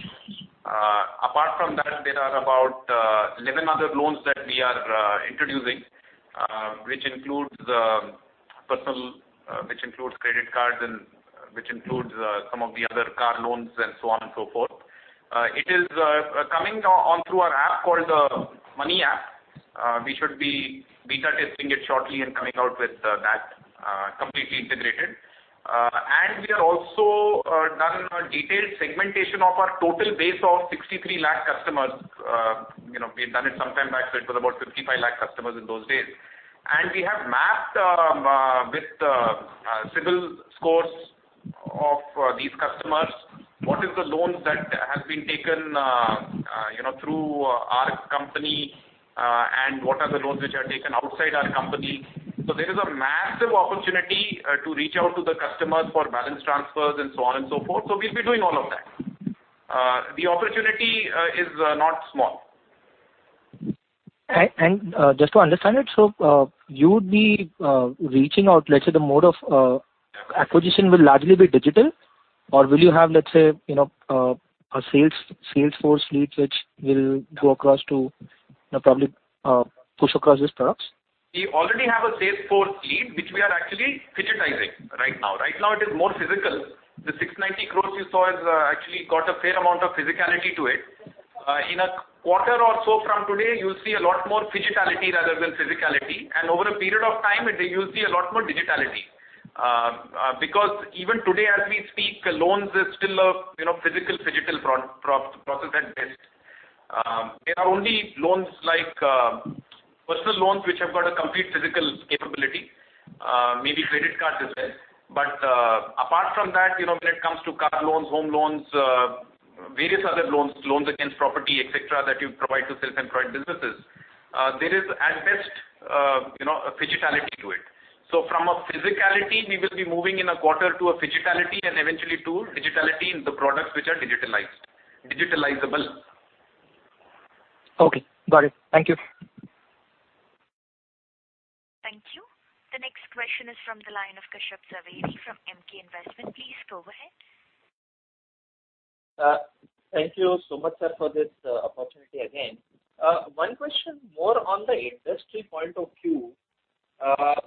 B: Apart from that, there are about 11 other loans that we are introducing which includes personal, which includes credit cards and which includes some of the other car loans and so on and so forth. It is coming on through our app called Money App. We should be beta testing it shortly and coming out with that completely integrated. We have also done a detailed segmentation of our total base of 63 lakh customers. We've done it some time back, so it was about 55 lakh customers in those days. We have mapped with CIBIL scores of these customers, what is the loans that has been taken through our company and what are the loans which are taken outside our company. There is a massive opportunity to reach out to the customers for balance transfers and so on and so forth. We'll be doing all of that. The opportunity is not small.
S: Just to understand it, you'd be reaching out, let's say the mode of acquisition will largely be digital or will you have, let's say, a sales force leads which will go across to probably push across these products?
B: We already have a sales force lead which we are actually digitizing right now. Right now it is more physical. The 690 crores you saw has actually got a fair amount of physicality to it. In a quarter or so from today, you will see a lot more digitality rather than physicality and over a period of time, you will see a lot more digitality because even today as we speak, loans is still a physical-digital process at best. There are only loans like personal loans which have got a complete physical capability, maybe credit card as well. Apart from that, when it comes to car loans, home loans, various other loans against property, et cetera, that you provide to self-employed businesses there is at best a physicality to it. From a physicality, we will be moving in a quarter to a physicality and eventually to digitality in the products which are digitalized. Digitalizable.
S: Okay, got it. Thank you.
A: Thank you. The next question is from the line of Kashyap Javeri from Emkay Global. Please go ahead.
C: Thank you so much, sir, for this opportunity again. One question more on the industry point of view.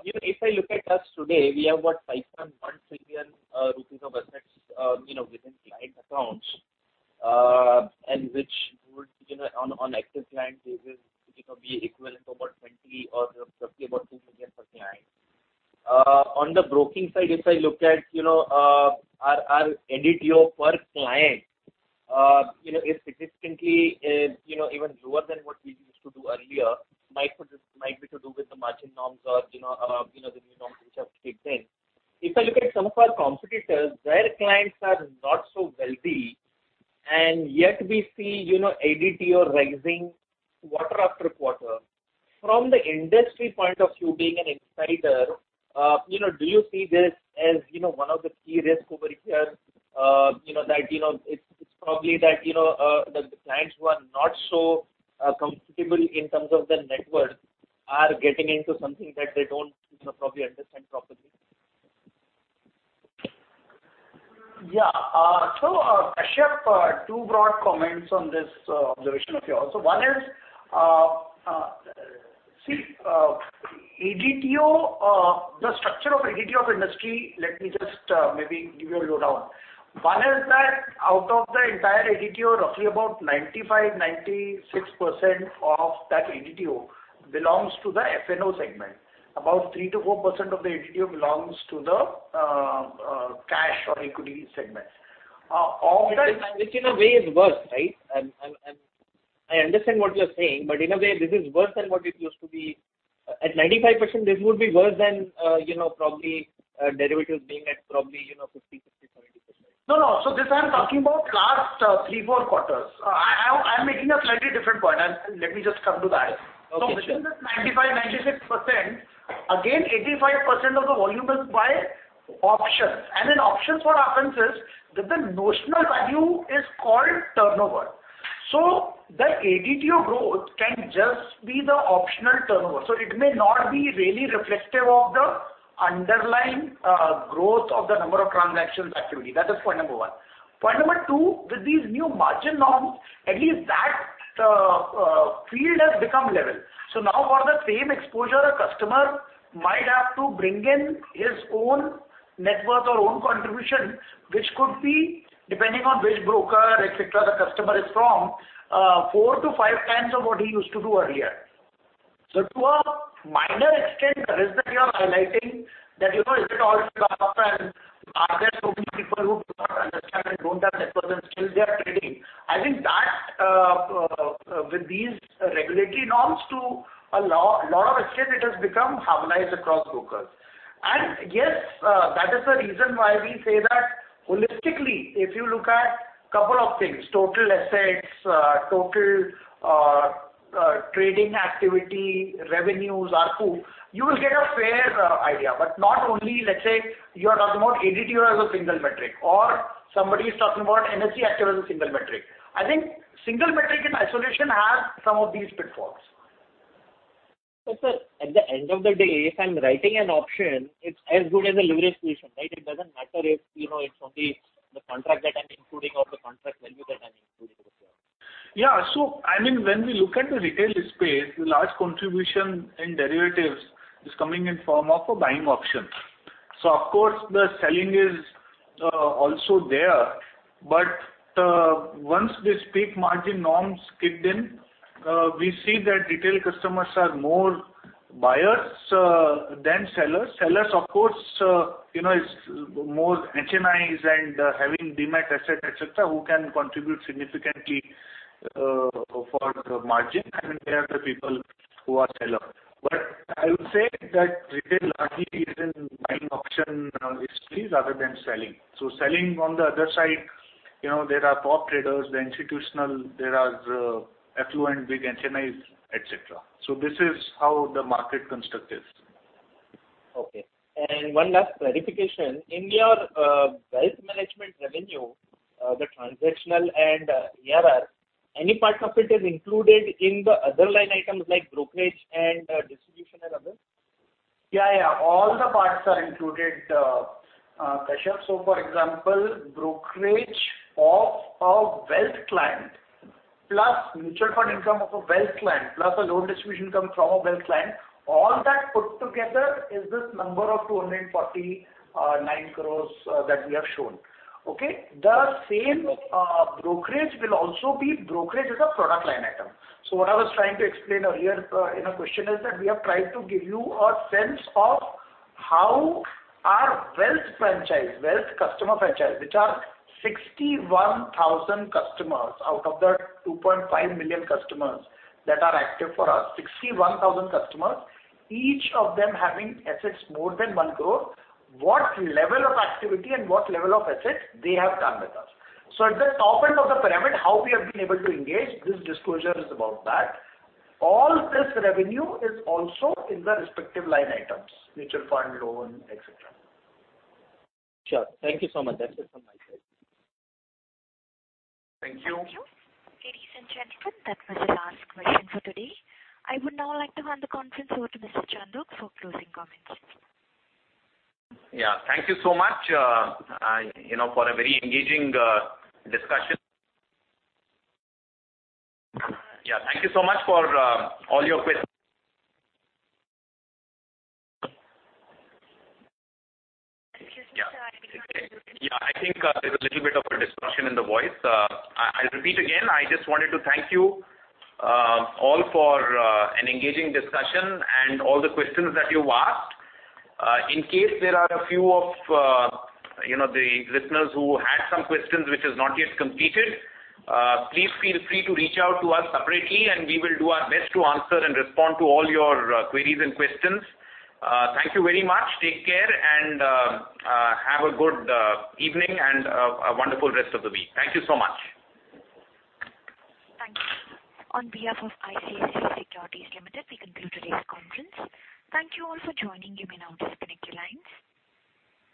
C: If I look at us today, we have got 5.1 trillion rupees of assets within client accounts and which would on active client basis be equivalent to about INR 20 or roughly about INR 2 million per client. On the broking side, if I look at our ADTO per client is significantly even lower than what we used to do earlier. Might be to do with the margin norms or the new norms which have kicked in. If I look at some of our competitors, their clients are not so wealthy and yet we see ADTO rising quarter after quarter. From the industry point of view, being an insider do you see this as one of the key risk over here that it's probably that the clients who are not so comfortable in terms of their net worth are getting into something that they don't probably understand properly?
D: Kashyap, two broad comments on this observation of yours. One is, the structure of ADTO of industry, let me just maybe give you a lowdown. Out of the entire ADTO, roughly about 95%-96% of that ADTO belongs to the F&O segment. About 3%-4% of the ADTO belongs to the cash or equity segment.
C: Which in a way is worse, right? I understand what you are saying, but in a way, this is worse than what it used to be. At 95%, this would be worse than probably derivatives being at probably 50%, 60%, 70%.
D: No. This, I am talking about last three, four quarters. I am making a slightly different point. Let me just come to that.
C: Okay.
D: Within the 95%, 96%, again, 85% of the volume is by options. In options, what happens is that the notional value is called turnover. The ADTO growth can just be the optional turnover. It may not be really reflective of the underlying growth of the number of transactions activity. That is point number one. Point number two, with these new margin norms, at least that field has become level. Now for the same exposure, a customer might have to bring in his own net worth or own contribution, which could be, depending on which broker, et cetera, the customer is from, four to five times of what he used to do earlier. To a minor extent, the risk that you are highlighting that, is it all fluff, and are there so many people who do not understand and don't have net worth and still they are trading? I think that with these regulatory norms too, a lot of extent it has become harmonized across brokers. Yes, that is the reason why we say that holistically, if you look at couple of things, total assets, total trading activity, revenues, ARPU, you will get a fair idea. Not only, let's say, you are talking about ADTO as a single metric, or somebody is talking about NSE active as a single metric. I think single metric in isolation has some of these pitfalls.
C: Sir, at the end of the day, if I am writing an option, it's as good as a leverage position, right? It doesn't matter if it's only the contract that I'm including or the contract value that I'm including over here.
G: Yeah. When we look at the retail space, the large contribution in derivatives is coming in form of a buying option. Of course, the selling is also there. Once these peak margin norms kicked in, we see that retail customers are more buyers than sellers. Sellers, of course, it's more HNIs and having Demat asset, et cetera, who can contribute significantly for the margin. They are the people who are seller. I would say that retail largely is in buying option histories rather than selling. Selling on the other side, there are prop traders, the institutional, there are affluent big HNIs, et cetera. This is how the market construct is.
C: Okay. One last clarification. In your wealth management revenue, the transactional and ARR, any parts of it is included in the other line items like brokerage and distribution and others?
D: All the parts are included, Kashyap. For example, brokerage of a wealth client, plus mutual fund income of a wealth client, plus a loan distribution coming from a wealth client, all that put together is this number of 249 crore that we have shown. Okay. The same brokerage will also be brokerage as a product line item. What I was trying to explain earlier in a question is that we have tried to give you a sense of how our wealth customer franchise, which are 61,000 customers out of the 2.5 million customers that are active for us, 61,000 customers, each of them having assets more than 1 crore, what level of activity and what level of asset they have done with us. At the top end of the pyramid, how we have been able to engage, this disclosure is about that. All this revenue is also in the respective line items, mutual fund, loan, et cetera.
C: Sure. Thank you so much. That's it from my side.
D: Thank you.
A: Thank you. Ladies and gentlemen, that was the last question for today. I would now like to hand the conference over to Mr. Chandok for closing comments.
B: Yeah. Thank you so much for a very engaging discussion. Yeah. Thank you so much for all your que-
A: Excuse me, sir. I think you are breaking.
B: Yeah, I think there's a little bit of a disruption in the voice. I'll repeat again. I just wanted to thank you all for an engaging discussion and all the questions that you've asked. In case there are a few of the listeners who had some questions which is not yet completed, please feel free to reach out to us separately, and we will do our best to answer and respond to all your queries and questions. Thank you very much. Take care, and have a good evening and a wonderful rest of the week. Thank you so much.
A: Thank you. On behalf of ICICI Securities Limited, we conclude today's conference. Thank you all for joining. You may now disconnect your lines.